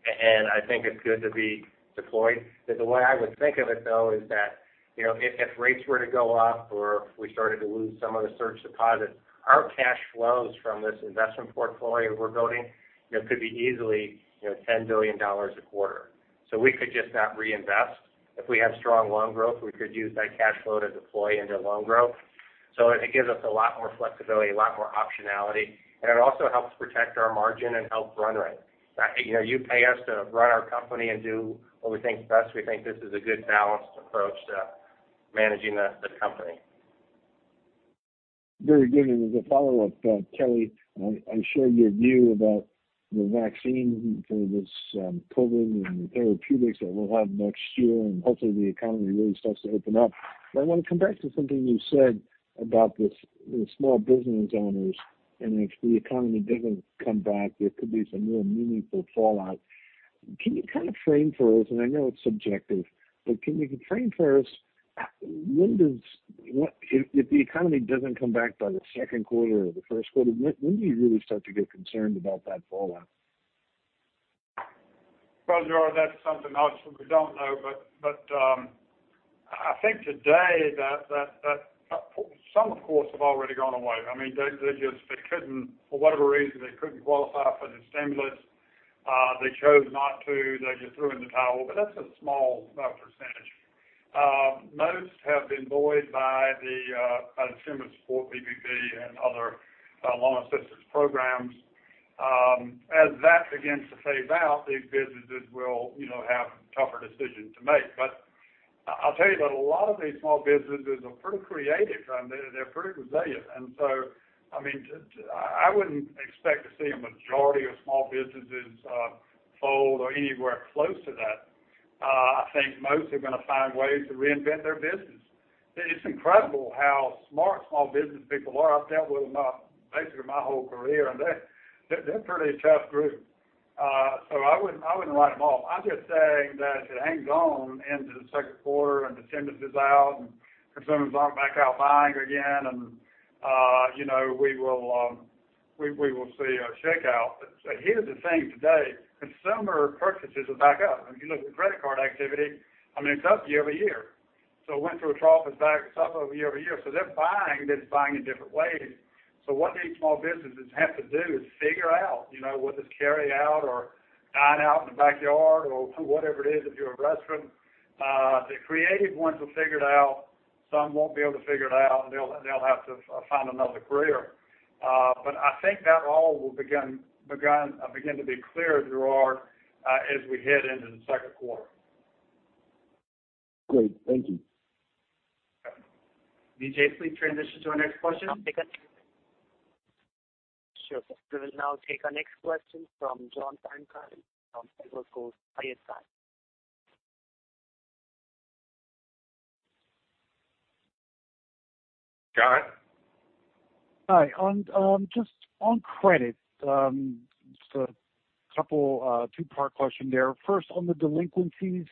I think it's good to be deployed. The way I would think of it, though, is that, if rates were to go up or if we started to lose some of the surge deposits, our cash flows from this investment portfolio we're building, could be easily $10 billion a quarter. We could just not reinvest. If we have strong loan growth, we could use that cash flow to deploy into loan growth. It gives us a lot more flexibility, a lot more optionality, and it also helps protect our margin and helps run rate. You pay us to run our company and do what we think is best. We think this is a good balanced approach to managing the company. Very good. As a follow-up, Kelly, I share your view about the vaccine for this COVID and the therapeutics that we'll have next year, and hopefully, the economy really starts to open up. I want to come back to something you said about the small business owners, and if the economy doesn't come back, there could be some real meaningful fallout. Can you kind of frame for us, and I know it's subjective, but can you frame for us, if the economy doesn't come back by the second quarter or the first quarter, when do you really start to get concerned about that fallout? Well, Gerard, that's something else that we don't know. I think today that some, of course, have already gone away. They just, for whatever reason, they couldn't qualify for the stimulus. They chose not to. They just threw in the towel. That's a small percentage. Most have been buoyed by the consumer support, PPP, and other loan assistance programs. As that begins to phase out, these businesses will have tougher decisions to make. I'll tell you that a lot of these small businesses are pretty creative, and they're pretty resilient. I wouldn't expect to see a majority of small businesses fold or anywhere close to that. I think most are going to find ways to reinvent their business. It's incredible how smart small business people are. I've dealt with them basically my whole career, and they're a pretty tough group. I wouldn't write them off. I'm just saying that as it hangs on into the second quarter and attendance is out, and consumers aren't back out buying again, and we will see a shakeout. Here's the thing today, consumer purchases are back up. If you look at the credit card activity, it's up year-over-year. It went through a trough, it's back up over year-over-year. They're buying, just buying in different ways. What these small businesses have to do is figure out whether it's carry out or dine out in the backyard or whatever it is if you're a restaurant. The creative ones will figure it out. Some won't be able to figure it out, and they'll have to find another career. I think that all will begin to be clear, Gerard, as we head into the second quarter. Great. Thank you. Okay. Vijay, please transition to our next question. Sure. We will now take our next question from John Pancari of Evercore ISI. John. Hi. Just on credit, just a two-part question there. First, on the delinquencies,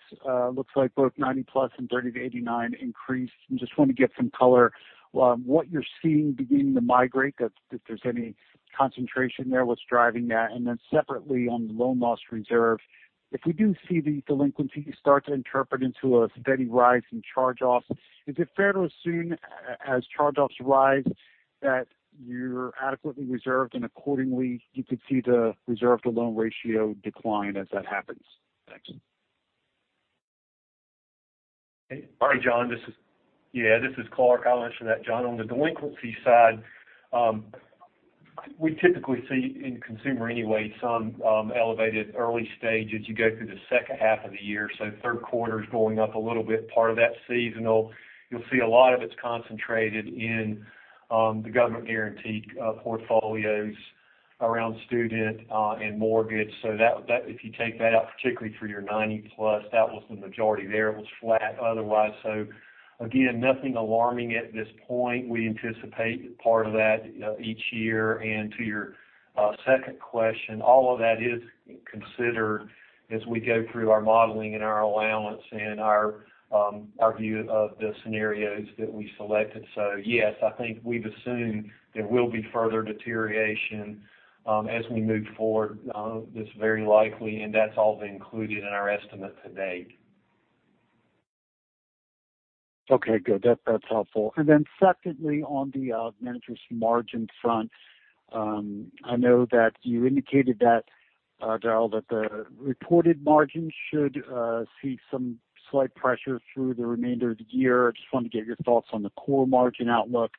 looks like both 90+ and 30 to 89 increased. I just want to get some color on what you're seeing beginning to migrate, if there's any concentration there, what's driving that? Separately on the loan loss reserve, if we do see the delinquencies start to interpret into a steady rise in charge-offs, is it fair to assume as charge-offs rise, that you're adequately reserved and accordingly you could see the reserve-to-loan ratio decline as that happens? Thanks. Hey. All right, John, this is Clarke. I'll answer that, John. On the delinquency side, we typically see, in consumer anyway, some elevated early stages. You go through the second half of the year, so third quarter's going up a little bit, part of that's seasonal. You'll see a lot of it's concentrated in the government-guaranteed portfolios around student and mortgage. If you take that out, particularly for your 90+, that was the majority there. It was flat otherwise. Again, nothing alarming at this point. We anticipate part of that each year. To your second question, all of that is considered as we go through our modeling and our allowance and our view of the scenarios that we selected. Yes, I think we've assumed there will be further deterioration as we move forward. That's very likely, and that's all been included in our estimate to date. Okay, good. That's helpful. Secondly, on the net interest margin front, I know that you indicated that, Daryl, that the reported margin should see some slight pressure through the remainder of the year. I just wanted to get your thoughts on the core margin outlook,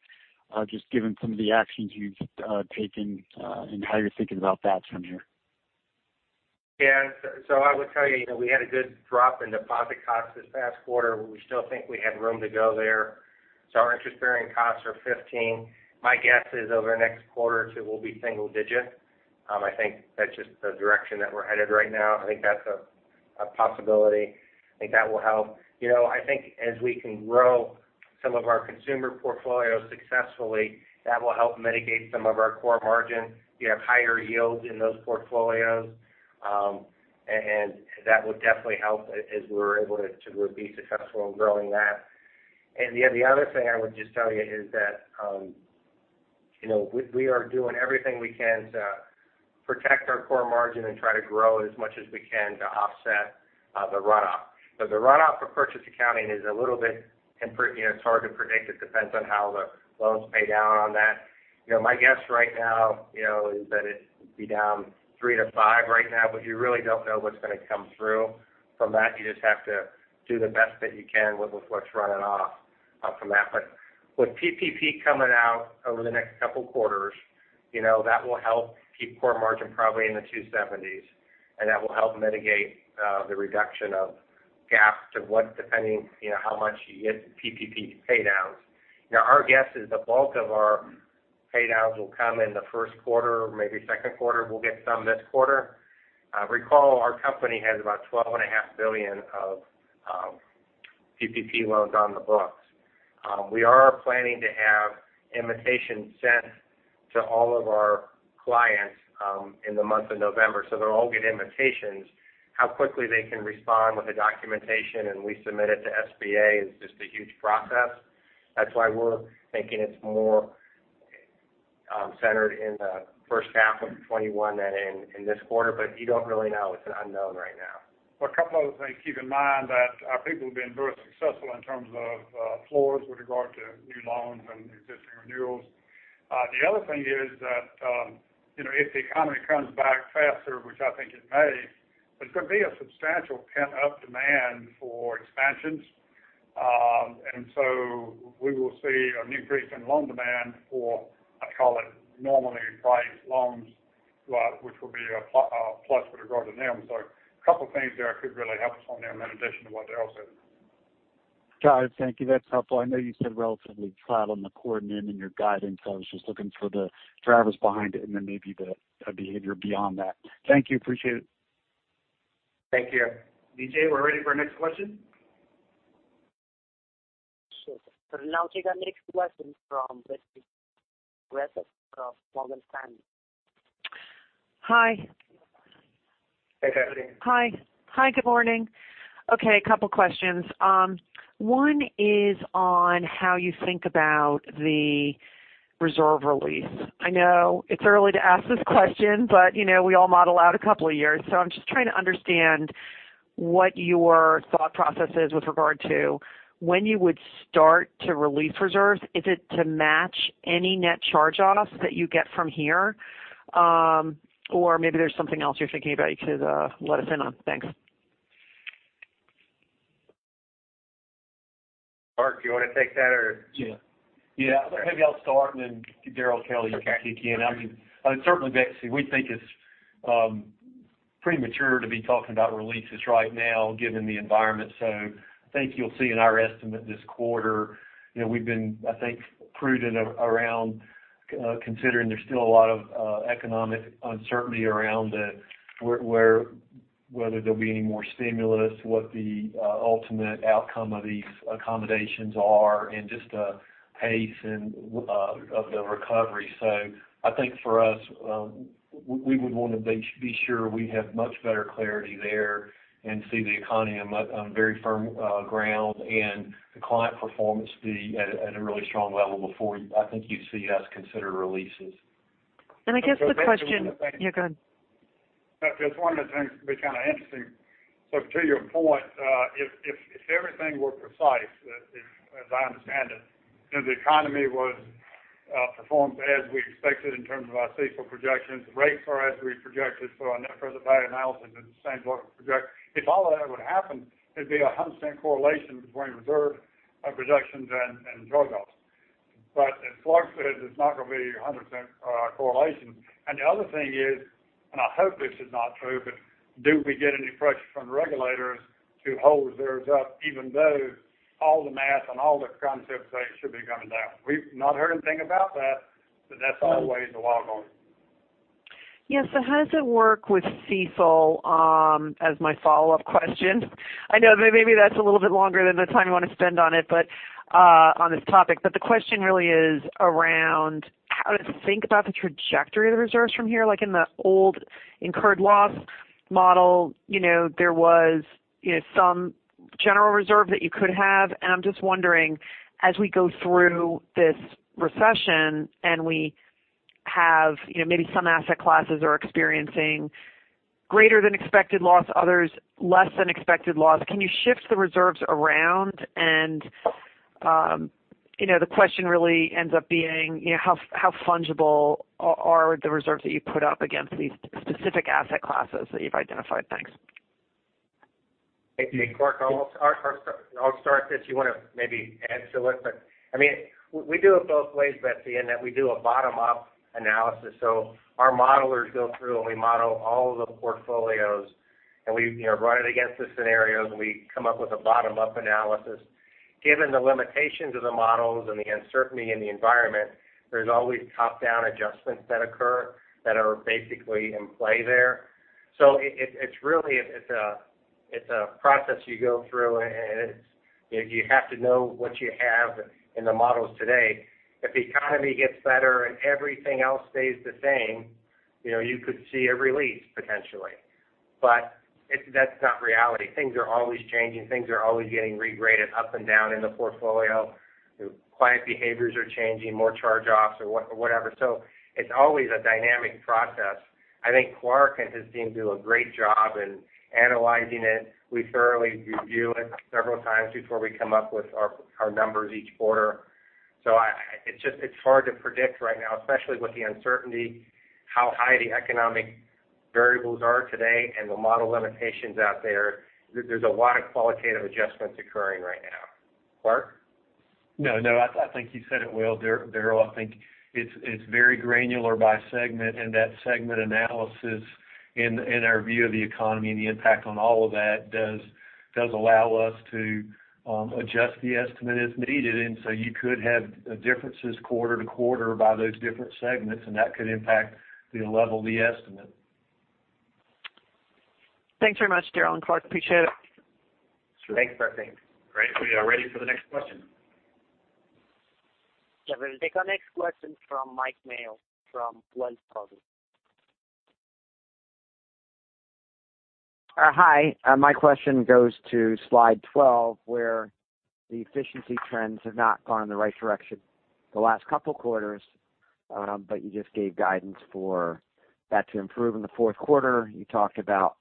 just given some of the actions you've taken and how you're thinking about that from here. Yeah. I would tell you, we had a good drop in deposit costs this past quarter. We still think we have room to go there. Our interest-bearing costs are 15. My guess is over the next quarter or two, we'll be single digit. I think that's just the direction that we're headed right now. I think that's a possibility. I think that will help. I think as we can grow some of our consumer portfolios successfully, that will help mitigate some of our core margin. You have higher yields in those portfolios, and that would definitely help as we're able to be successful in growing that. The other thing I would just tell you is that we are doing everything we can to protect our core margin and try to grow as much as we can to offset the runoff. The runoff for purchase accounting is a little bit hard to predict. It depends on how the loans pay down on that. My guess right now is that it'd be down 3%-5% right now, but you really don't know what's going to come through from that. You just have to do the best that you can with what's running off from that. With PPP coming out over the next couple quarters, that will help keep core margin probably in the 270s, and that will help mitigate the reduction of GAAP to what, depending how much you get PPP pay downs. Our guess is the bulk of our pay downs will come in the first quarter, maybe second quarter. We'll get some this quarter. Recall our company has about $12.5 billion of PPP loans on the books. We are planning to have invitations sent to all of our clients in the month of November. They'll all get invitations. How quickly they can respond with the documentation and resubmit it to SBA is just a huge process. We're thinking it's more centered in the first half of 2021 than in this quarter. You don't really know. It's an unknown right now. A couple other things. Keep in mind that our people have been very successful in terms of floors with regard to new loans and existing renewals. The other thing is that if the economy comes back faster, which I think it may, there's going to be a substantial pent-up demand for expansions. We will see an increase in loan demand for, I call it, normally priced loans, which will be a plus for the growth in NIM. A couple of things there could really help us on NIM in addition to what Daryl said. Got it. Thank you. That's helpful. I know you said relatively flat on the core NIM in your guidance. I was just looking for the drivers behind it and then maybe the behavior beyond that. Thank you. Appreciate it. Thank you. Vijay, we're ready for our next question. Sure. now take our next question from Betsy Graseck of Morgan Stanley. Hi. Hey, Betsy. Hi, good morning. Okay, a couple questions. One is on how you think about the reserve release. I know it's early to ask this question, we all model out a couple of years, so I'm just trying to understand what your thought process is with regard to when you would start to release reserves. Is it to match any net charge-offs that you get from here? Maybe there's something else you're thinking about you could let us in on. Thanks. Clarke, do you want to take that? Yeah. Maybe I'll start, and then Daryl and Kelly, you can kick in. Certainly, Betsy, we think it's premature to be talking about releases right now given the environment. I think you'll see in our estimate this quarter, we've been, I think, prudent around considering there's still a lot of economic uncertainty around it, whether there'll be any more stimulus, what the ultimate outcome of these accommodations are, and just the pace of the recovery. I think for us, we would want to be sure we have much better clarity there and see the economy on very firm ground and the client performance be at a really strong level before I think you'd see us consider releases. And I guess the question- Betsy, one other thing. Yeah, go ahead. It's one of the things that can be kind of interesting. To your point, if everything were precise, as I understand it, and the economy performed as we expected in terms of our CECL projections, the rates are as we projected, so our net present value analysis is the same as what we projected. If all of that would happen, there'd be 100% correlation between reserve projections and charge-offs. As Clarke said, it's not going to be 100% correlation. The other thing is, and I hope this is not true, but do we get any pressure from regulators to hold reserves up even though all the math and all the concepts say it should be coming down? We've not heard anything about that, but that's always a wild card. Yeah. How does it work with CECL as my follow-up question? I know maybe that's a little bit longer than the time you want to spend on it, on this topic. The question really is around how to think about the trajectory of the reserves from here. Like in the old incurred loss model, there was some general reserve that you could have. I'm just wondering, as we go through this recession and we have maybe some asset classes are experiencing greater than expected loss, others less than expected loss, can you shift the reserves around? The question really ends up being, how fungible are the reserves that you put up against these specific asset classes that you've identified? Thanks. Hey, Clarke, I'll start this. You want to maybe add to it, we do it both ways, Betsy, in that we do a bottom-up analysis. Our modelers go through and we model all the portfolios and we run it against the scenarios and we come up with a bottom-up analysis. Given the limitations of the models and the uncertainty in the environment, there's always top-down adjustments that occur that are basically in play there. It's a process you go through, and you have to know what you have in the models today. If the economy gets better and everything else stays the same, you could see a release potentially. That's not reality. Things are always changing. Things are always getting re-graded up and down in the portfolio. Client behaviors are changing, more charge-offs or whatever. It's always a dynamic process. I think Clarke and his team do a great job in analyzing it. We thoroughly review it several times before we come up with our numbers each quarter. It's hard to predict right now, especially with the uncertainty, how high the economic variables are today and the model limitations out there. There's a lot of qualitative adjustments occurring right now. Clarke? No, I think you said it well, Daryl. I think it's very granular by segment, and that segment analysis in our view of the economy and the impact on all of that does allow us to adjust the estimate as needed. You could have differences quarter to quarter by those different segments, and that could impact the level of the estimate. Thanks very much, Daryl and Clarke. Appreciate it. Sure. Thanks, Betsy. Great. We are ready for the next question. Yeah. We'll take our next question from Mike Mayo from Wells Fargo. Hi. My question goes to slide 12, where the efficiency trends have not gone in the right direction the last couple quarters, but you just gave guidance for that to improve in the fourth quarter. You talked about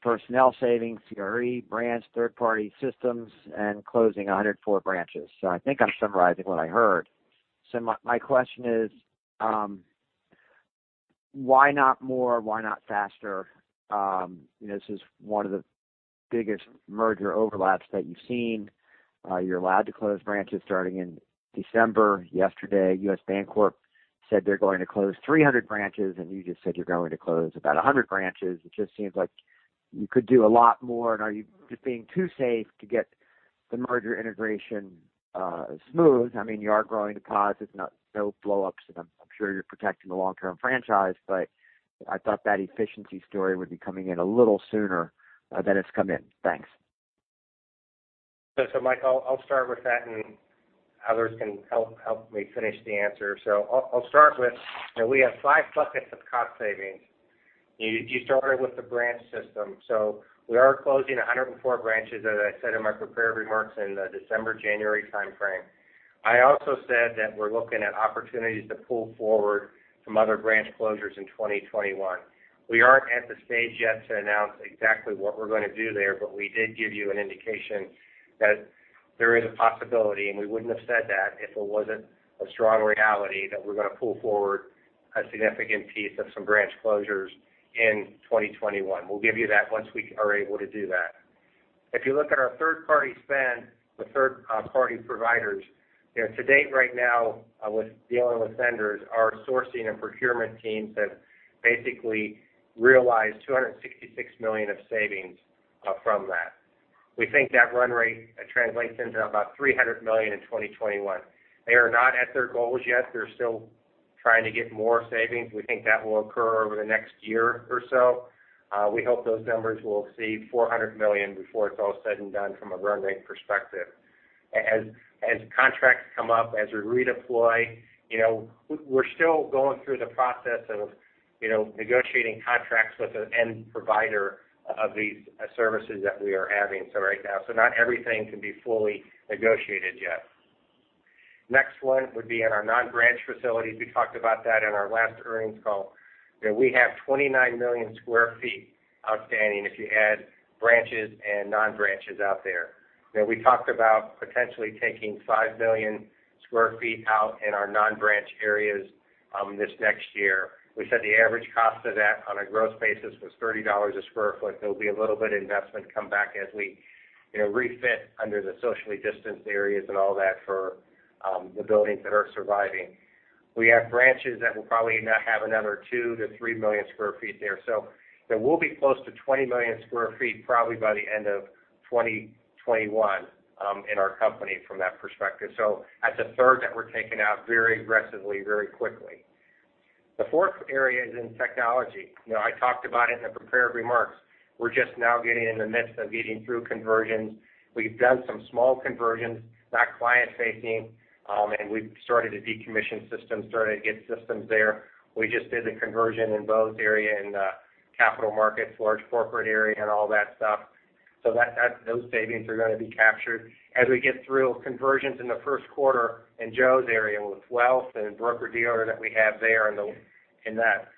personnel savings, CRE, branch, third-party systems, and closing 104 branches. I think I'm summarizing what I heard. My question is, why not more? Why not faster? This is one of the biggest merger overlaps that you've seen. You're allowed to close branches starting in December. Yesterday, U.S. Bancorp said they're going to close 300 branches, and you just said you're going to close about 100 branches. It just seems like you could do a lot more. Are you just being too safe to get the merger integration smooth? I mean, you are growing deposits, no blow-ups, and I'm sure you're protecting the long-term franchise. I thought that efficiency story would be coming in a little sooner than it's come in. Thanks. Mike, I'll start with that, and others can help me finish the answer. I'll start with, we have five buckets of cost savings. You started with the branch system. We are closing 104 branches, as I said in my prepared remarks, in the December-January timeframe. I also said that we're looking at opportunities to pull forward some other branch closures in 2021. We aren't at the stage yet to announce exactly what we're going to do there, but we did give you an indication that there is a possibility. We wouldn't have said that if it wasn't a strong reality that we're going to pull forward a significant piece of some branch closures in 2021. We'll give you that once we are able to do that. If you look at our third-party spend with third-party providers, to date right now with dealing with vendors, our sourcing and procurement teams have basically realized $266 million of savings from that. We think that run rate translates into about $300 million in 2021. They are not at their goals yet. They're still trying to get more savings. We think that will occur over the next year or so. We hope those numbers will see $400 million before it's all said and done from a run rate perspective. As contracts come up, as we redeploy, we're still going through the process of negotiating contracts with an end provider of these services that we are having right now. Not everything can be fully negotiated yet. Next one would be in our non-branch facilities. We talked about that in our last earnings call. We have 29 million sq ft outstanding if you add branches and non-branches out there. We talked about potentially taking five million square feet out in our non-branch areas this next year. We said the average cost of that on a gross basis was $30 a square foot. There'll be a little bit of investment come back as we refit under the socially distanced areas and all that for the buildings that are surviving. We have branches that will probably not have another two to three million square feet there. We'll be close to 20 million sq ft probably by the end of 2021 in our company from that perspective. That's a third that we're taking out very aggressively, very quickly. The fourth area is in technology. I talked about it in the prepared remarks. We're just now getting in the midst of getting through conversions. We've done some small conversions, not client-facing, and we've started to decommission systems, started to get systems there. We just did the conversion in those area in the capital markets, large corporate area, and all that stuff. Those savings are going to be captured. As we get through conversions in the first quarter in Joe's area with wealth and broker dealer that we have there in that.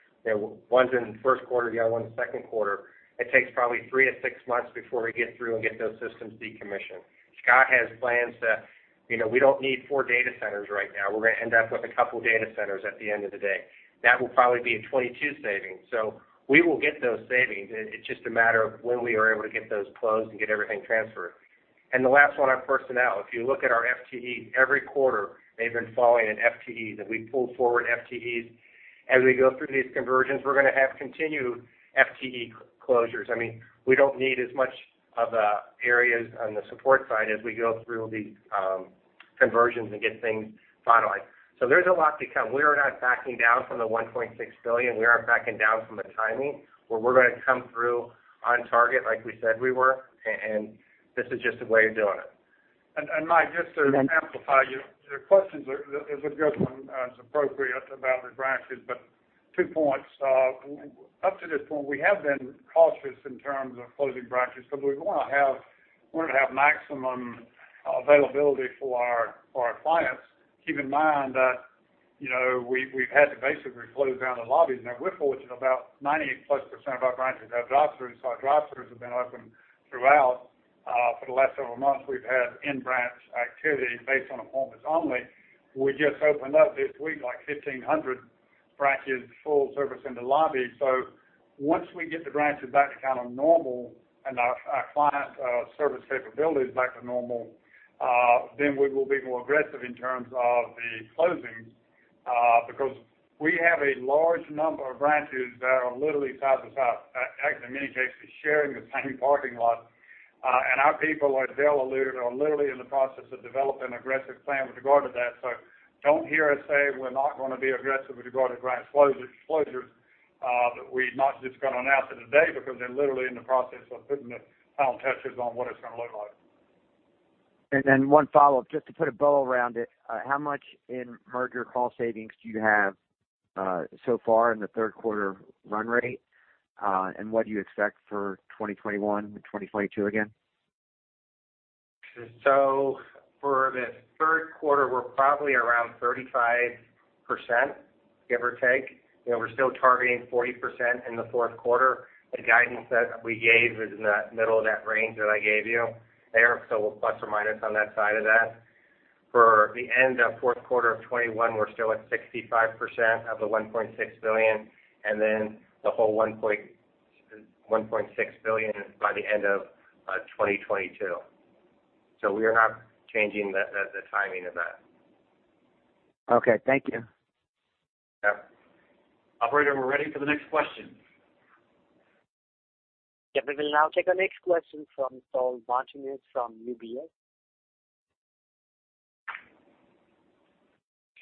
One's in the first quarter, the other one second quarter. It takes probably three to six months before we get through and get those systems decommissioned. Scott has plans. We don't need four data centers right now. We're going to end up with a couple data centers at the end of the day. That will probably be a 2022 savings. We will get those savings. It's just a matter of when we are able to get those closed and get everything transferred. The last one on personnel. If you look at our FTE, every quarter, they've been falling in FTEs, and we've pulled forward FTEs. As we go through these conversions, we're going to have continued FTE closures. I mean, we don't need as much of areas on the support side as we go through these conversions and get things finalized. There's a lot to come. We're not backing down from the $1.6 billion. We aren't backing down from the timing, where we're going to come through on target like we said we were, and this is just a way of doing it. Mike, just to amplify. Your question is a good one. It's appropriate about the branches. Two points. Up to this point, we have been cautious in terms of closing branches because we want to have maximum availability for our clients. Keep in mind that we've had to basically close down the lobbies. Now we're fortunate about 98%+ of our branches have drive-throughs, so our drive-throughs have been open throughout. For the last several months, we've had in-branch activity based on appointments only. We just opened up this week, like 1,500 branches, full service in the lobby. Once we get the branches back to kind of normal and our client service capabilities back to normal, then we will be more aggressive in terms of the closings. Because we have a large number of branches that are literally side by side, in many cases sharing the same parking lot. Our people, as Daryl alluded, are literally in the process of developing an aggressive plan with regard to that. Don't hear us say we're not going to be aggressive with regard to branch closures. We're not just going to announce it today because they're literally in the process of putting the final touches on what it's going to look like. One follow-up, just to put a bow around it. How much in merger cost savings do you have so far in the third quarter run rate? What do you expect for 2021 and 2022 again? For the third quarter, we're probably around 35%, give or take. We're still targeting 40% in the fourth quarter. The guidance that we gave is in the middle of that range that I gave you there, so we're plus or minus on that side of that. For the end of fourth quarter of 2021, we're still at 65% of the $1.6 billion, and then the whole $1.6 billion by the end of 2022. We are not changing the timing of that. Okay. Thank you. Yeah. Operator, are we ready for the next question? Yeah, we will now take our next question from Saul Martinez from UBS.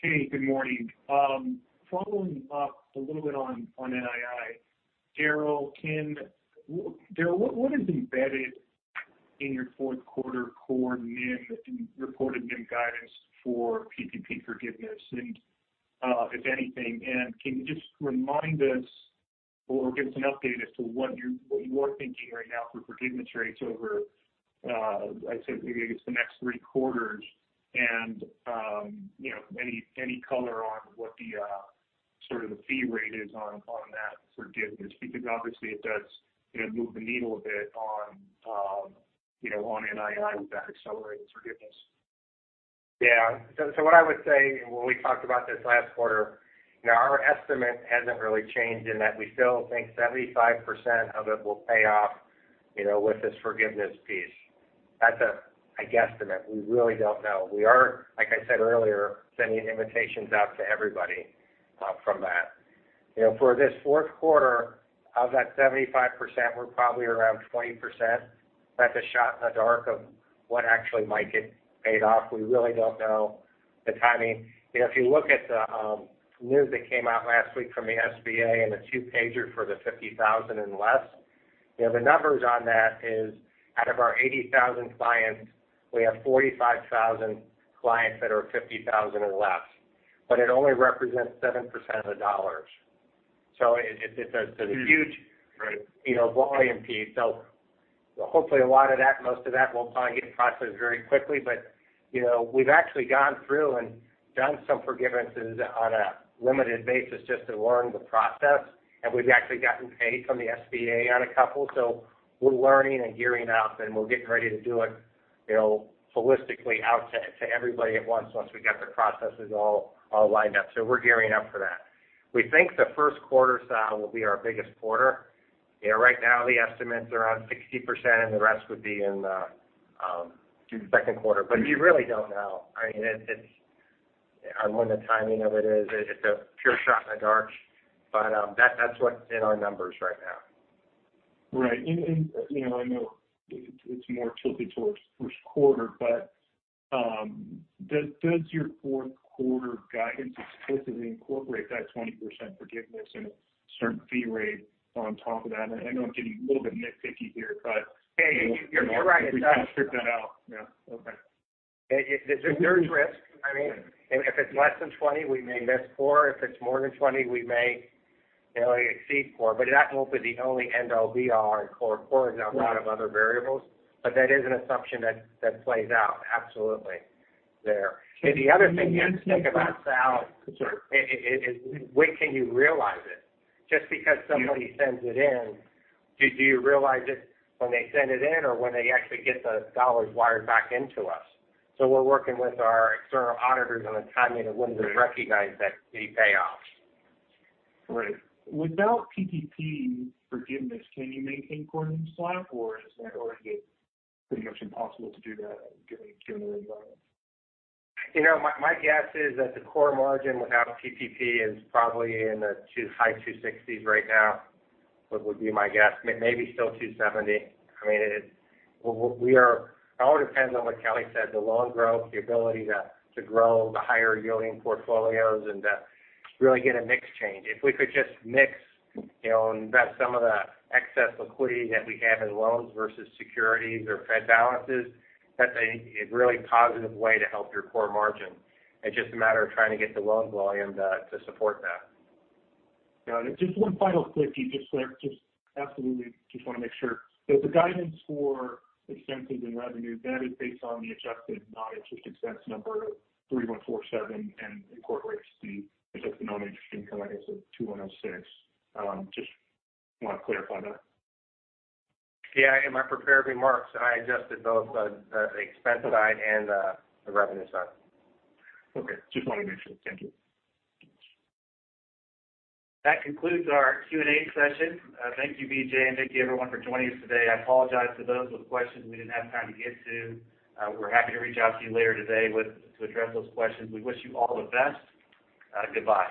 Hey, good morning. Following up a little bit on NII. Daryl, what is embedded in your fourth quarter core NIM and reported NIM guidance for PPP forgiveness, if anything? can you just remind us or give us an update as to what you are thinking right now for forgiveness rates over, I'd say, maybe it's the next three quarters, and any color on what the fee rate is on that forgiveness? Because obviously it does move the needle a bit on NII with that accelerated forgiveness. Yeah. what I would say, and we talked about this last quarter, our estimate hasn't really changed in that we still think 75% of it will pay off with this forgiveness piece. That's a guesstimate. We really don't know. We are, like I said earlier, sending invitations out to everybody from that. For this fourth quarter, of that 75%, we're probably around 20%. That's a shot in the dark of what actually might get paid off. We really don't know the timing. If you look at the news that came out last week from the SBA and the two-pager for the $50,000 and less, the numbers on that is out of our 80,000 clients, we have 45,000 clients that are $50,000 or less. It only represents 7% of the dollars. it's a huge- Right ...volume piece. Hopefully a lot of that, most of that will probably get processed very quickly. We've actually gone through and done some forgivenesses on a limited basis just to learn the process, and we've actually gotten paid from the SBA on a couple. We're learning and gearing up, and we're getting ready to do it holistically out to everybody at once once we get the processes all lined up. We're gearing up for that. We think the first quarter, Saul, will be our biggest quarter. Right now the estimates are on 60% and the rest would be in the second quarter. You really don't know. When the timing of it is, it's a pure shot in the dark. That's what's in our numbers right now. Right. I know it's more tilted towards first quarter, but does your fourth quarter guidance explicitly incorporate that 20% forgiveness and a certain fee rate on top of that? I know I'm getting a little bit nitpicky here. Hey, you're right. It does Strip that out. Yeah. Okay. There's risk. If it's less than 20%, we may miss core. If it's more than 20%, we may exceed core. That won't be the only end-all, be-all in core. Core is a lot of other variables. That is an assumption that plays out absolutely there. The other thing you have to think about, Saul- Sure ...is when can you realize it? Just because somebody sends it in, do you realize it when they send it in or when they actually get the dollars wired back into us? we're working with our external auditors on the timing of when to recognize that fee payoff. Right. Without PPP forgiveness, can you maintain core NIM swap, or is that already pretty much impossible to do that given the environment? My guess is that the core margin without PPP is probably in the high 260s right now. What would be my guess? Maybe still 270. It all depends on what Kelly said, the loan growth, the ability to grow the higher yielding portfolios and to really get a mix change. If we could just mix and invest some of the excess liquidity that we have in loans versus securities or Fed balances, that's a really positive way to help your core margin. It's just a matter of trying to get the loan volume to support that. Got it. Just one final quickie, just absolutely just want to make sure. The guidance for expenses and revenue, that is based on the adjusted non-interest expense number 3147 and incorporates the adjusted non-interest income, I guess at 2106. Just want to clarify that. Yeah. In my prepared remarks, I adjusted both the expense side and the revenue side. Okay. Just wanted to make sure. Thank you. That concludes our Q&A session. Thank you, Vijay, and thank you everyone for joining us today. I apologize to those with questions we didn't have time to get to. We're happy to reach out to you later today to address those questions. We wish you all the best. Goodbye.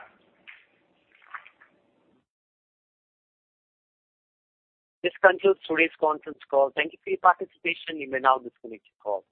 This concludes today's conference call. Thank you for your participation. You may now disconnect your call.